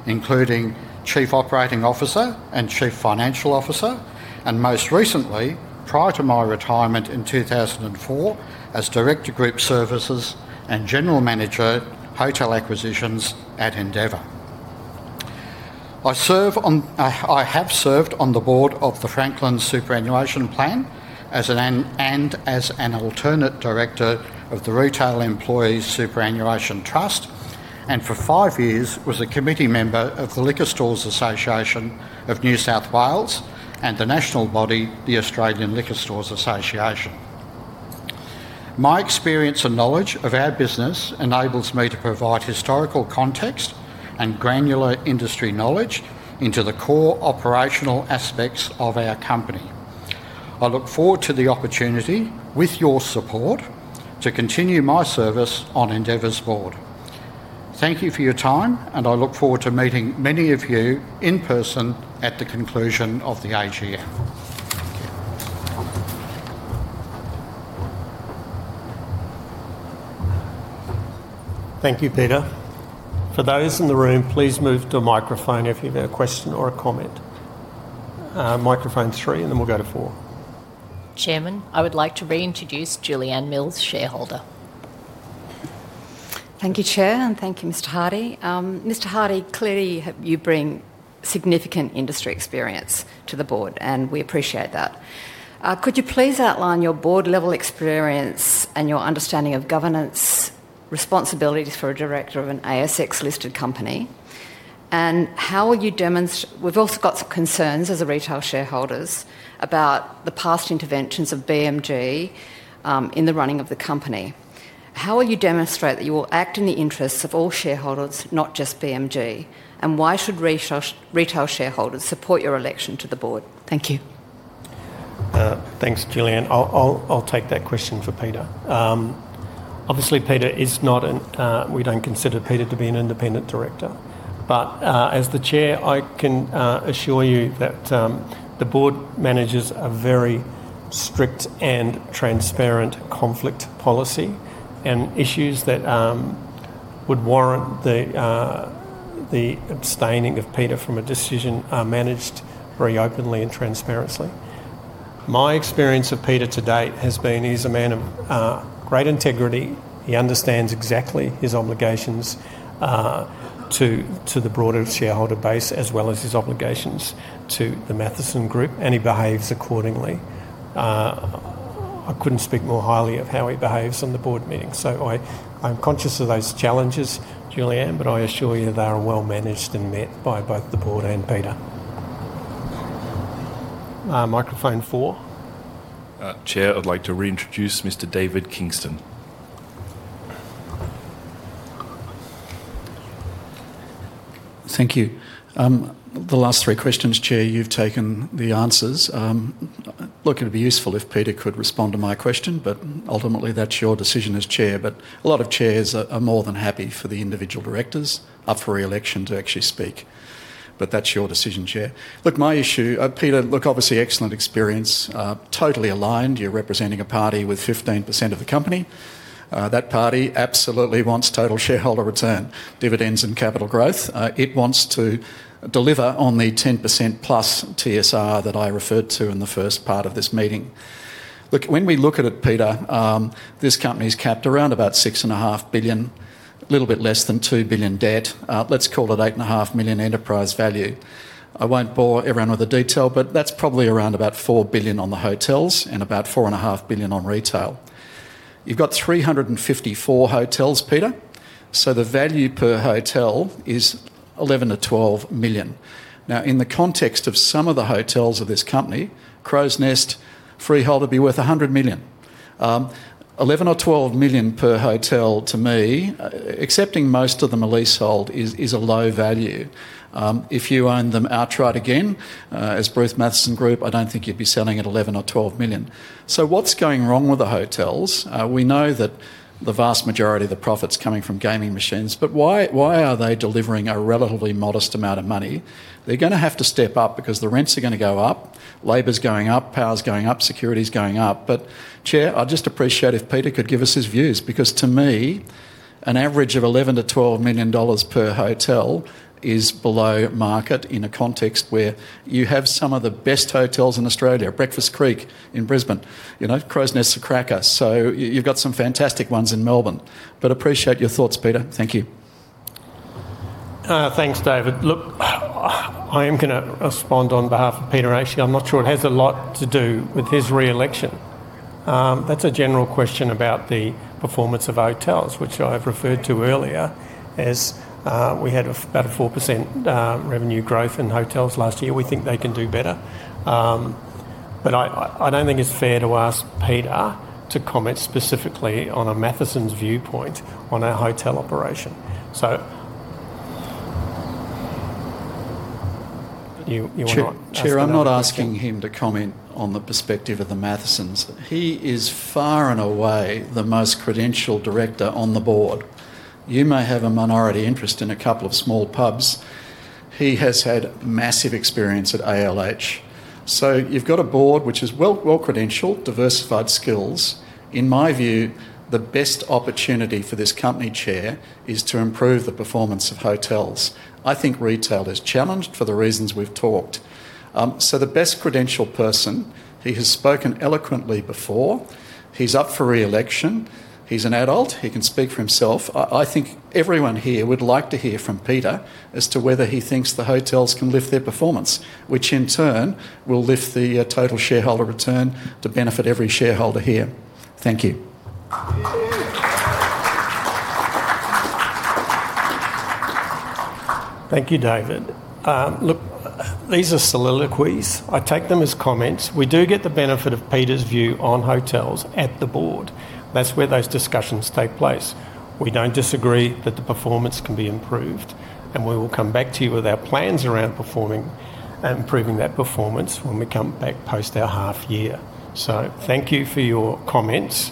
including Chief Operating Officer and Chief Financial Officer, and most recently, prior to my retirement in 2004, as Director Group Services and General Manager, Hotel Acquisitions at Endeavour. I have served on the board of the Franklin Superannuation Plan and as an alternate director of the Retail Employees Superannuation Trust, and for five years was a committee member of the Liquor Stores Association of New South Wales and the national body, the Australian Liquor Stores Association. My experience and knowledge of our business enables me to provide historical context and granular industry knowledge into the core operational aspects of our company. I look forward to the opportunity, with your support, to continue my service on Endeavour's board. Thank you for your time, and I look forward to meeting many of you in person at the conclusion of the AGM. Thank you. Thank you, Peter. For those in the room, please move to a microphone if you have a question or a comment. Microphone three, and then we'll go to four. Chairman, I would like to reintroduce Julianne Mills, shareholder. Thank you, Chair, and thank you, Mr. Hardy. Mr. Hardy, clearly, you bring significant industry experience to the board, and we appreciate that. Could you please outline your board-level experience and your understanding of governance responsibilities for a director of an ASX-listed company? How will you demonstrate—we've also got some concerns as retail shareholders about the past interventions of BMG in the running of the company. How will you demonstrate that you will act in the interests of all shareholders, not just BMG? Why should retail shareholders support your election to the board? Thank you. Thanks, Julianne. I'll take that question for Peter. Obviously, Peter is not—we don't consider Peter to be an independent director. As the Chair, I can assure you that the board manages a very strict and transparent conflict policy, and issues that would warrant the abstaining of Peter from a decision are managed very openly and transparently. My experience of Peter to date has been he's a man of great integrity. He understands exactly his obligations to the broader shareholder base as well as his obligations to the Matheson Group, and he behaves accordingly. I couldn't speak more highly of how he behaves in the board meeting. I'm conscious of those challenges, Julianne, but I assure you they are well managed and met by both the board and Peter. Microphone four. Chair, I'd like to reintroduce Mr. David Kingston. Thank you. The last three questions, Chair, you've taken the answers. Look, it'd be useful if Peter could respond to my question, but ultimately, that's your decision as Chair. A lot of chairs are more than happy for the individual directors up for reelection to actually speak. That's your decision, Chair. My issue—Peter, obviously, excellent experience, totally aligned. You're representing a party with 15% of the company. That party absolutely wants total shareholder return, dividends, and capital growth. It wants to deliver on the 10%+ TSR that I referred to in the first part of this meeting. When we look at it, Peter, this company's capped around about 6.5 billion, a little bit less than 2 billion debt. Let's call it 8.5 billion enterprise value. I won't bore everyone with the detail, but that's probably around about 4 billion on the hotels and about 4.5 billion on retail. You've got 354 hotels, Peter. So the value per hotel is 11 million-12 million. Now, in the context of some of the hotels of this company, Crow's Nest freehold would be worth 100 million. 11 million or 12 million per hotel, to me, excepting most of them are leasehold, is a low value. If you own them outright again, as Bruce Matheson Group, I don't think you'd be selling at 11 million or 12 million. What's going wrong with the hotels? We know that the vast majority of the profit's coming from gaming machines, but why are they delivering a relatively modest amount of money? They're going to have to step up because the rents are going to go up, labor's going up, power's going up, security's going up. Chair, I'd just appreciate if Peter could give us his views because, to me, an average of 11 million-12 million dollars per hotel is below market in a context where you have some of the best hotels in Australia, Breakfast Creek in Brisbane, Crow's Nest's a cracker. You have some fantastic ones in Melbourne. Appreciate your thoughts, Peter. Thank you. Thanks, David. Look, I am going to respond on behalf of Peter actually. I'm not sure it has a lot to do with his reelection. That's a general question about the performance of hotels, which I've referred to earlier as we had about 4% revenue growth in hotels last year. We think they can do better. I do not think it is fair to ask Peter to comment specifically on a Matheson's viewpoint on our hotel operation. You want to— Chair, I'm not asking him to comment on the perspective of the Mathesons. He is far and away the most credentialed director on the board. You may have a minority interest in a couple of small pubs. He has had massive experience at ALH. So you've got a board which is well-credentialed, diversified skills. In my view, the best opportunity for this company, Chair, is to improve the performance of hotels. I think retail is challenged for the reasons we've talked. So the best credentialed person, he has spoken eloquently before. He's up for reelection. He's an adult. He can speak for himself. I think everyone here would like to hear from Peter as to whether he thinks the hotels can lift their performance, which in turn will lift the total shareholder return to benefit every shareholder here. Thank you. Thank you, David. Look, these are soliloquies. I take them as comments. We do get the benefit of Peter's view on hotels at the board. That's where those discussions take place. We do not disagree that the performance can be improved, and we will come back to you with our plans around performing and improving that performance when we come back post our half year. Thank you for your comments.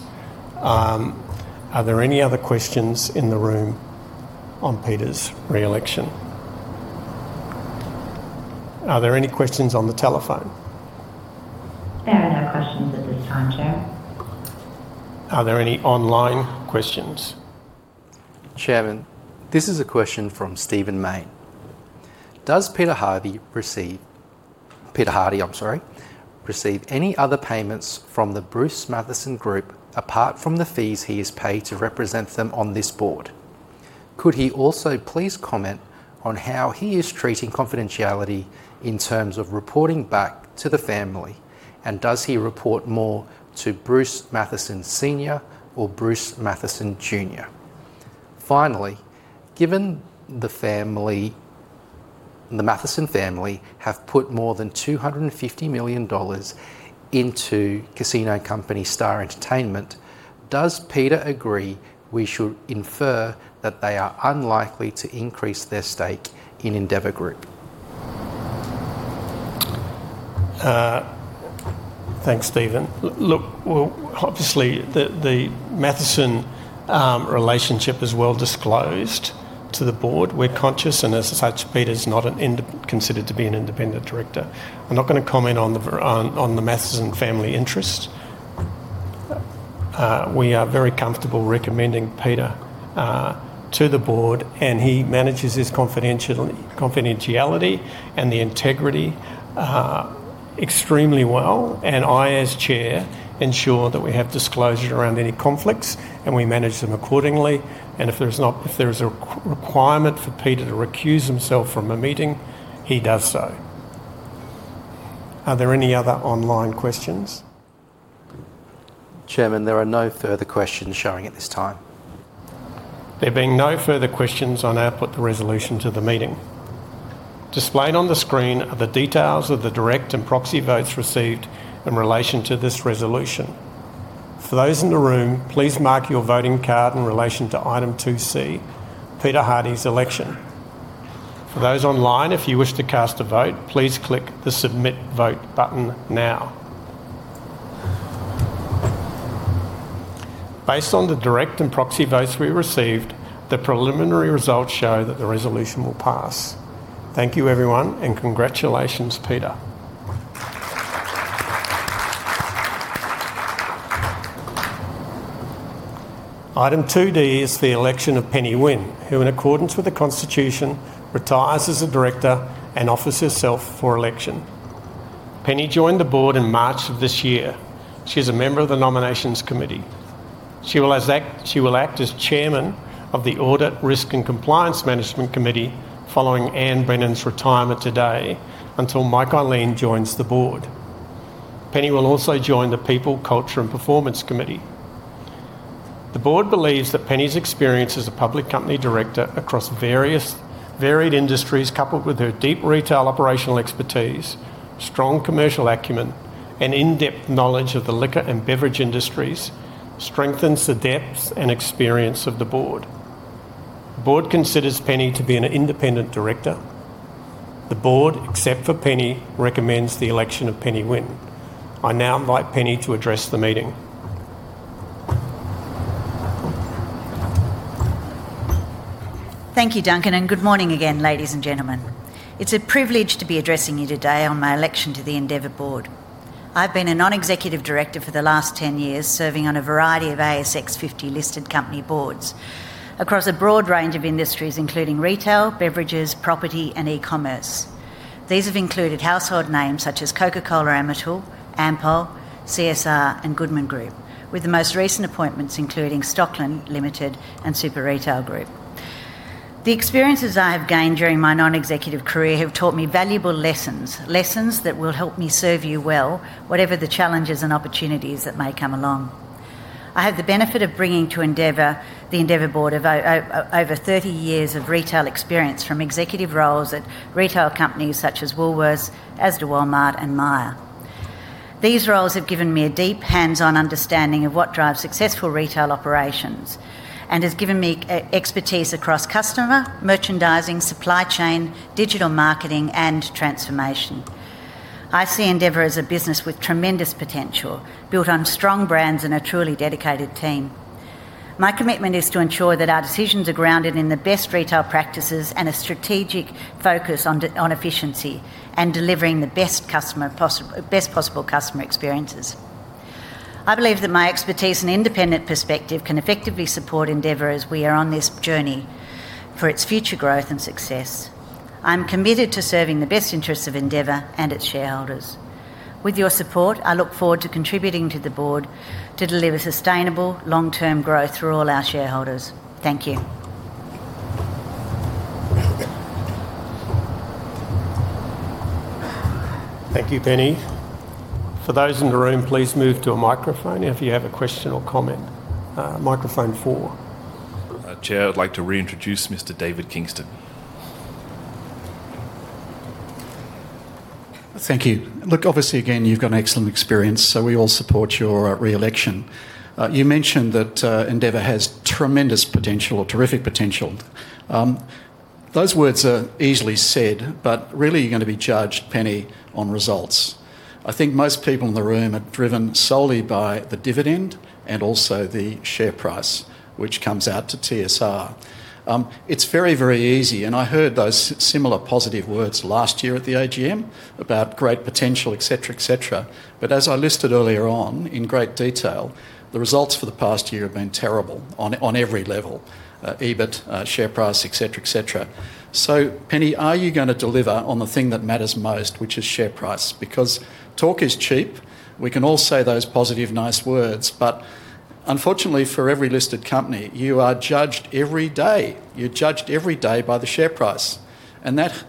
Are there any other questions in the room on Peter's reelection? Are there any questions on the telephone? There are no questions at this time, Chair. Are there any online questions? Chairman, this is a question from Stephen Main. Does Peter Hardy receive—Peter Hardy, I'm sorry—receive any other payments from the Bruce Matheson Group apart from the fees he has paid to represent them on this board? Could he also please comment on how he is treating confidentiality in terms of reporting back to the family, and does he report more to Bruce Matheson Senior or Bruce Matheson Junior? Finally, given the Matheson family have put more than 250 million dollars into casino company Star Entertainment, does Peter agree we should infer that they are unlikely to increase their stake in Endeavour Group? Thanks, Stephen. Look, obviously, the Matheson relationship is well disclosed to the board. We're conscious, and as such, Peter's not considered to be an independent director. I'm not going to comment on the Matheson family interest. We are very comfortable recommending Peter to the board, and he manages his confidentiality and the integrity extremely well. I, as Chair, ensure that we have disclosure around any conflicts, and we manage them accordingly. If there is a requirement for Peter to recuse himself from a meeting, he does so. Are there any other online questions? Chairman, there are no further questions showing at this time. There being no further questions, I now put the resolution to the meeting. Displayed on the screen are the details of the direct and proxy votes received in relation to this resolution. For those in the room, please mark your voting card in relation to item 2C, Peter Hardy's election. For those online, if you wish to cast a vote, please click the Submit Vote button now. Based on the direct and proxy votes we received, the preliminary results show that the resolution will pass. Thank you, everyone, and congratulations, Peter. Item 2D is the election of Penny Winn, who, in accordance with the Constitution, retires as a director and offers herself for election. Penny joined the board in March of this year. She is a member of the nominations committee. She will act as Chairman of the Audit, Risk, and Compliance Management Committee following Anne Brennan's retirement today until Mike Eileen joins the board. Penny will also join the People, Culture and Performance Committee. The board believes that Penny's experience as a public company director across varied industries, coupled with her deep retail operational expertise, strong commercial acumen, and in-depth knowledge of the liquor and beverage industries, strengthens the depth and experience of the board. The board considers Penny to be an independent director. The board, except for Penny, recommends the election of Penny Winn. I now invite Penny to address the meeting. Thank you, Duncan, and good morning again, ladies and gentlemen. It's a privilege to be addressing you today on my election to the Endeavour board. I've been a non-executive director for the last 10 years, serving on a variety of ASX 50-listed company boards across a broad range of industries, including retail, beverages, property, and e-commerce. These have included household names such as Coca-Cola Amatil, Ampol, CSR, and Goodman Group, with the most recent appointments including Stockland Limited and Super Retail Group. The experiences I have gained during my non-executive career have taught me valuable lessons, lessons that will help me serve you well, whatever the challenges and opportunities that may come along. I have the benefit of bringing to Endeavour the Endeavour board of over 30 years of retail experience from executive roles at retail companies such as Woolworths, Asda Walmart, and Meijer. These roles have given me a deep hands-on understanding of what drives successful retail operations and has given me expertise across customer, merchandising, supply chain, digital marketing, and transformation. I see Endeavour as a business with tremendous potential, built on strong brands and a truly dedicated team. My commitment is to ensure that our decisions are grounded in the best retail practices and a strategic focus on efficiency and delivering the best possible customer experiences. I believe that my expertise and independent perspective can effectively support Endeavour as we are on this journey for its future growth and success. I'm committed to serving the best interests of Endeavour and its shareholders. With your support, I look forward to contributing to the board to deliver sustainable long-term growth for all our shareholders. Thank you. Thank you, Penny. For those in the room, please move to a microphone if you have a question or comment. Microphone four. Chair, I'd like to reintroduce Mr. David Kingston. Thank you. Look, obviously, again, you've got an excellent experience, so we all support your reelection. You mentioned that Endeavour has tremendous potential or terrific potential. Those words are easily said, but really, you're going to be judged, Penny, on results. I think most people in the room are driven solely by the dividend and also the share price, which comes out to TSR. It's very, very easy, and I heard those similar positive words last year at the AGM about great potential, etc., etc. As I listed earlier on in great detail, the results for the past year have been terrible on every level: EBIT, share price, etc., etc. Penny, are you going to deliver on the thing that matters most, which is share price? Because talk is cheap. We can all say those positive, nice words, but unfortunately, for every listed company, you are judged every day. You're judged every day by the share price, and that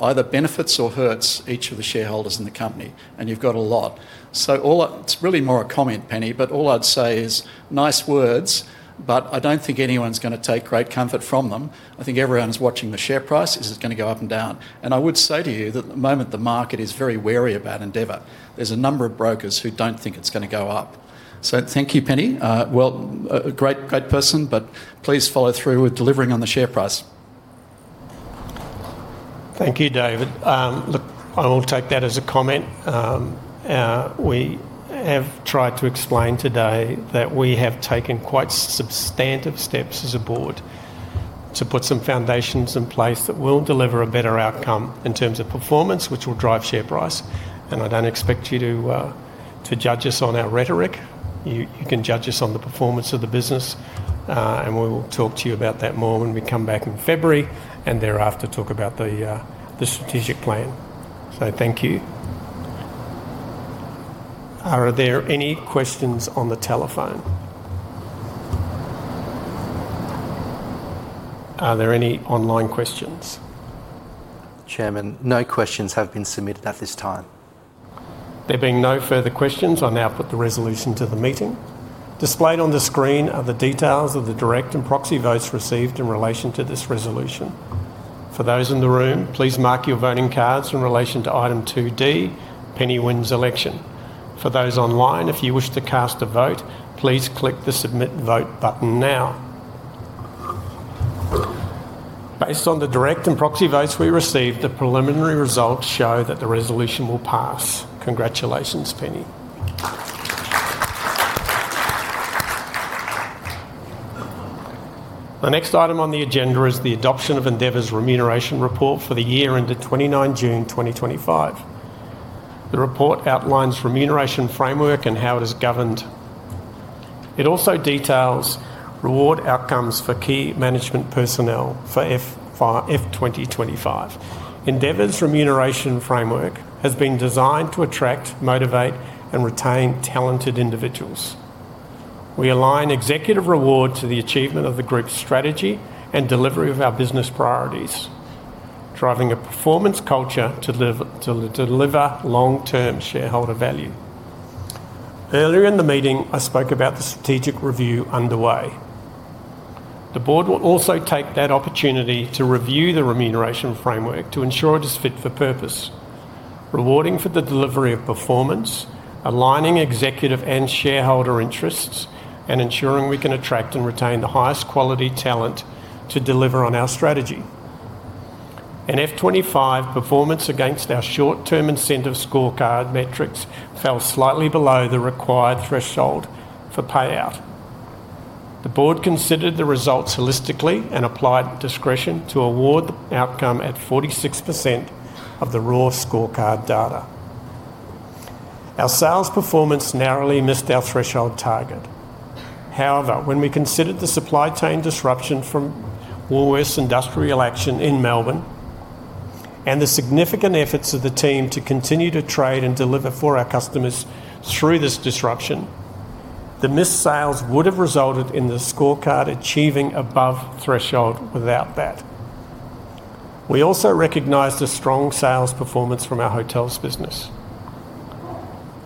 either benefits or hurts each of the shareholders in the company, and you've got a lot. It's really more a comment, Penny, but all I'd say is nice words, but I don't think anyone's going to take great comfort from them. I think everyone's watching the share price. Is it going to go up and down? I would say to you that at the moment, the market is very wary about Endeavour. There's a number of brokers who don't think it's going to go up. Thank you, Penny. A great person, but please follow through with delivering on the share price. Thank you, David. I will take that as a comment. We have tried to explain today that we have taken quite substantive steps as a board to put some foundations in place that will deliver a better outcome in terms of performance, which will drive share price. I do not expect you to judge us on our rhetoric. You can judge us on the performance of the business, and we will talk to you about that more when we come back in February and thereafter talk about the strategic plan. Thank you. Are there any questions on the telephone? Are there any online questions? Chairman, no questions have been submitted at this time. There being no further questions, I now put the resolution to the meeting. Displayed on the screen are the details of the direct and proxy votes received in relation to this resolution. For those in the room, please mark your voting cards in relation to item 2D, Penny Winn's election. For those online, if you wish to cast a vote, please click the Submit Vote button now. Based on the direct and proxy votes we received, the preliminary results show that the resolution will pass. Congratulations, Penny. The next item on the agenda is the adoption of Endeavour's remuneration report for the year ended 29 June 2025. The report outlines remuneration framework and how it is governed. It also details reward outcomes for key management personnel for F2025. Endeavour's remuneration framework has been designed to attract, motivate, and retain talented individuals. We align executive reward to the achievement of the group's strategy and delivery of our business priorities, driving a performance culture to deliver long-term shareholder value. Earlier in the meeting, I spoke about the strategic review underway. The board will also take that opportunity to review the remuneration framework to ensure it is fit for purpose, rewarding for the delivery of performance, aligning executive and shareholder interests, and ensuring we can attract and retain the highest quality talent to deliver on our strategy. In FY 2025, performance against our short-term incentive scorecard metrics fell slightly below the required threshold for payout. The board considered the results holistically and applied discretion to award the outcome at 46% of the raw scorecard data. Our sales performance narrowly missed our threshold target. However, when we considered the supply chain disruption from Woolworths' industrial action in Melbourne and the significant efforts of the team to continue to trade and deliver for our customers through this disruption, the missed sales would have resulted in the scorecard achieving above threshold without that. We also recognized a strong sales performance from our hotels business.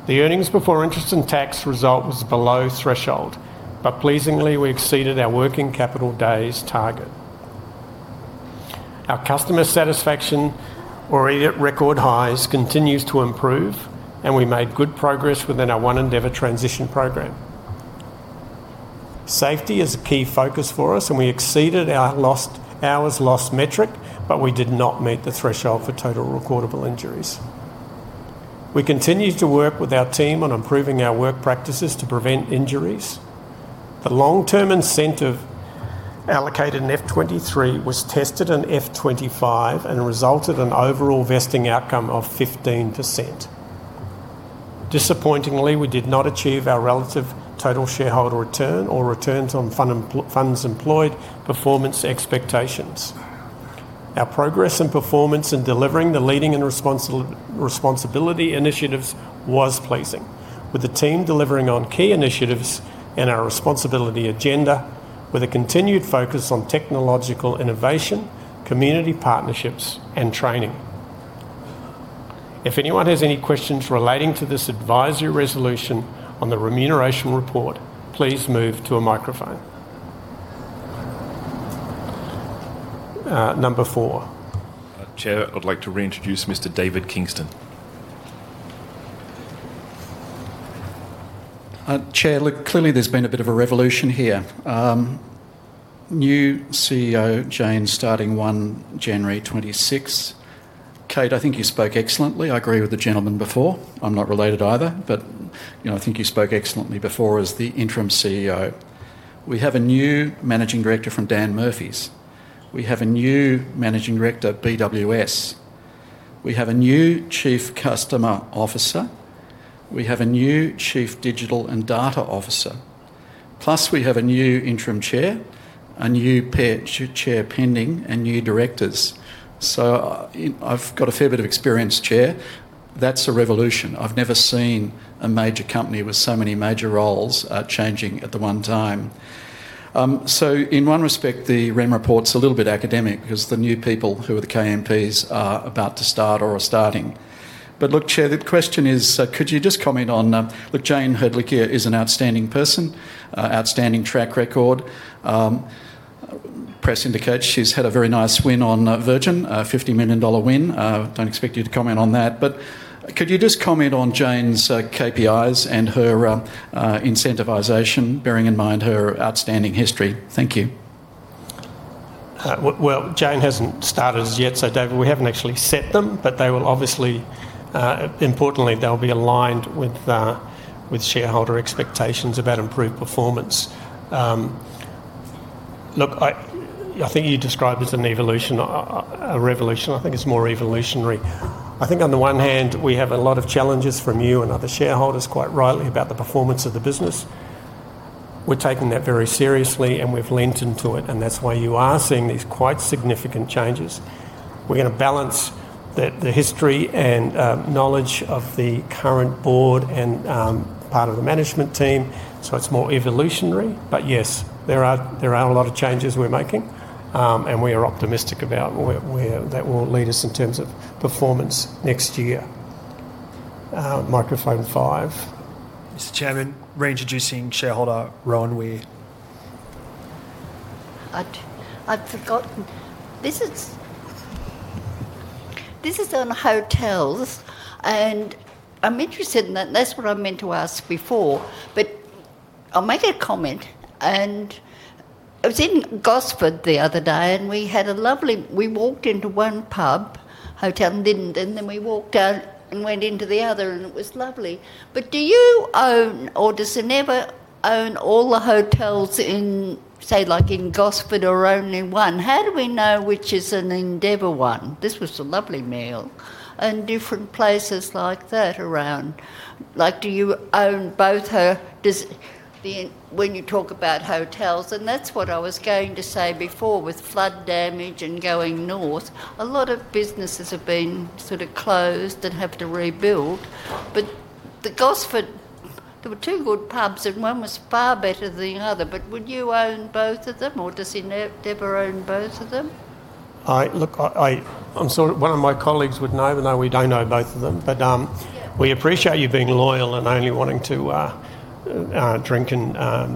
The earnings before interest and tax result was below threshold, but pleasingly, we exceeded our working capital days target. Our customer satisfaction at record highs continues to improve, and we made good progress within our One Endeavour transition program. Safety is a key focus for us, and we exceeded our hours lost metric, but we did not meet the threshold for total recordable injuries. We continue to work with our team on improving our work practices to prevent injuries. The long-term incentive allocated in FY 2023 was tested in FY 2025 and resulted in an overall vesting outcome of 15%. Disappointingly, we did not achieve our relative total shareholder return or returns on funds employed performance expectations. Our progress and performance in delivering the leading and responsibility initiatives was pleasing, with the team delivering on key initiatives and our responsibility agenda, with a continued focus on technological innovation, community partnerships, and training. If anyone has any questions relating to this advisory resolution on the remuneration report, please move to a microphone. Number four. Chair, I'd like to reintroduce Mr. David Kingston. Chair, look, clearly there's been a bit of a revolution here. New CEO, Jayne, starting January 2026. Kate, I think you spoke excellently. I agree with the gentleman before. I'm not related either, but I think you spoke excellently before as the interim CEO. We have a new Managing Director from Dan Murphy's. We have a new Managing Director at BWS. We have a new Chief Customer Officer. We have a new Chief Digital and Data Officer. Plus, we have a new interim Chair, a new Chair pending, and new directors. I've got a fair bit of experience, Chair. That's a revolution. I've never seen a major company with so many major roles changing at the one time. In one respect, the REM report's a little bit academic because the new people who are the KMPs are about to start or are starting. Look, Chair, the question is, could you just comment on, look, Jayne Hrdlicka is an outstanding person, outstanding track record. Press indicates she's had a very nice win on Virgin, a 50 million dollar win. I don't expect you to comment on that. Could you just comment on Jayne's KPIs and her incentivization, bearing in mind her outstanding history? Thank you. Jayne hasn't started as yet, so David, we haven't actually set them, but they will obviously, importantly, be aligned with shareholder expectations about improved performance. I think you described it as an evolution, a revolution. I think it's more evolutionary. I think on the one hand, we have a lot of challenges from you and other shareholders, quite rightly, about the performance of the business. We're taking that very seriously, and we've leant into it, and that's why you are seeing these quite significant changes. We're going to balance the history and knowledge of the current board and part of the management team, so it's more evolutionary. Yes, there are a lot of changes we're making, and we are optimistic about that will lead us in terms of performance next year. Microphone five. Mr. Chairman, reintroducing shareholder Rowan Weir. I'd forgotten. This is on hotels, and I'm interested in that. That's what I meant to ask before, but I'll make a comment. I was in Gosford the other day, and we had a lovely—we walked into one pub hotel in Linden, and then we walked out and went into the other, and it was lovely. Do you own, or does Endeavour own all the hotels in, say, like in Gosford or only one? How do we know which is an Endeavour one? This was a lovely meal and different places like that around. Like, do you own both? When you talk about hotels, and that's what I was going to say before with flood damage and going north, a lot of businesses have been sort of closed and have to rebuild. The Gosford, there were two good pubs, and one was far better than the other. Would you own both of them, or does Endeavour own both of them? Look, I'm sure one of my colleagues would know, even though we don't know both of them, but we appreciate you being loyal and only wanting to drink and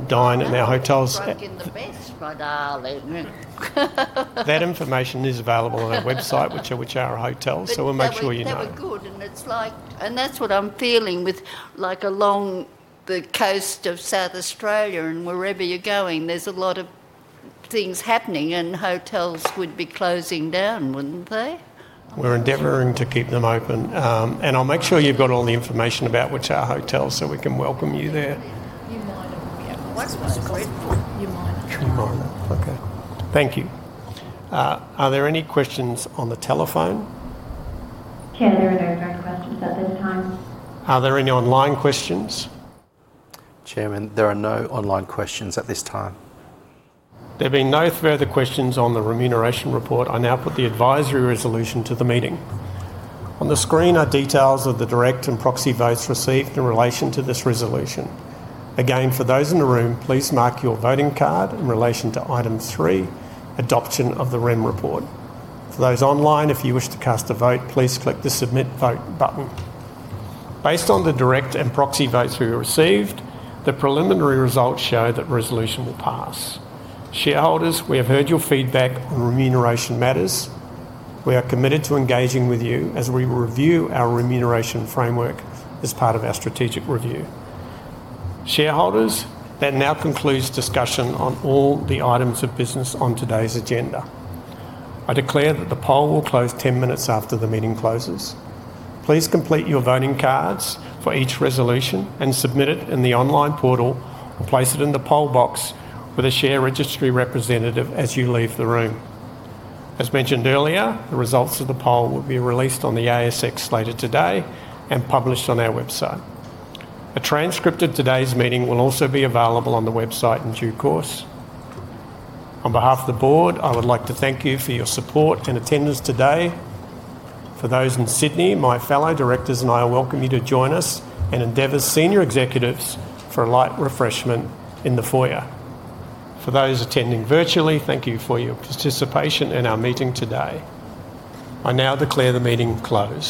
dine at our hotels. Drinking the best, my darling. That information is available on our website, which are our hotels, so we'll make sure you know. It's never good, and it's like—and that's what I'm feeling with, like, along the coast of South Australia and wherever you're going, there's a lot of things happening, and hotels would be closing down, wouldn't they? We're endeavoring to keep them open, and I'll make sure you've got all the information about which are hotels so we can welcome you there. You might have a—yeah, that's what I said. You might have. Okay. Thank you. Are there any questions on the telephone? Chair, there are no further questions at this time. Are there any online questions? Chairman, there are no online questions at this time. There being no further questions on the remuneration report, I now put the advisory resolution to the meeting. On the screen are details of the direct and proxy votes received in relation to this resolution. Again, for those in the room, please mark your voting card in relation to item three, adoption of the REM report. For those online, if you wish to cast a vote, please click the Submit Vote button. Based on the direct and proxy votes we received, the preliminary results show that resolution will pass. Shareholders, we have heard your feedback on remuneration matters. We are committed to engaging with you as we review our remuneration framework as part of our strategic review. Shareholders, that now concludes discussion on all the items of business on today's agenda. I declare that the poll will close 10 minutes after the meeting closes. Please complete your voting cards for each resolution and submit it in the online portal or place it in the poll box with a share registry representative as you leave the room. As mentioned earlier, the results of the poll will be released on the ASX later today and published on our website. A transcript of today's meeting will also be available on the website in due course. On behalf of the board, I would like to thank you for your support and attendance today. For those in Sydney, my fellow directors and I welcome you to join us and Endeavour's senior executives for a light refreshment in the foyer. For those attending virtually, thank you for your participation in our meeting today. I now declare the meeting closed.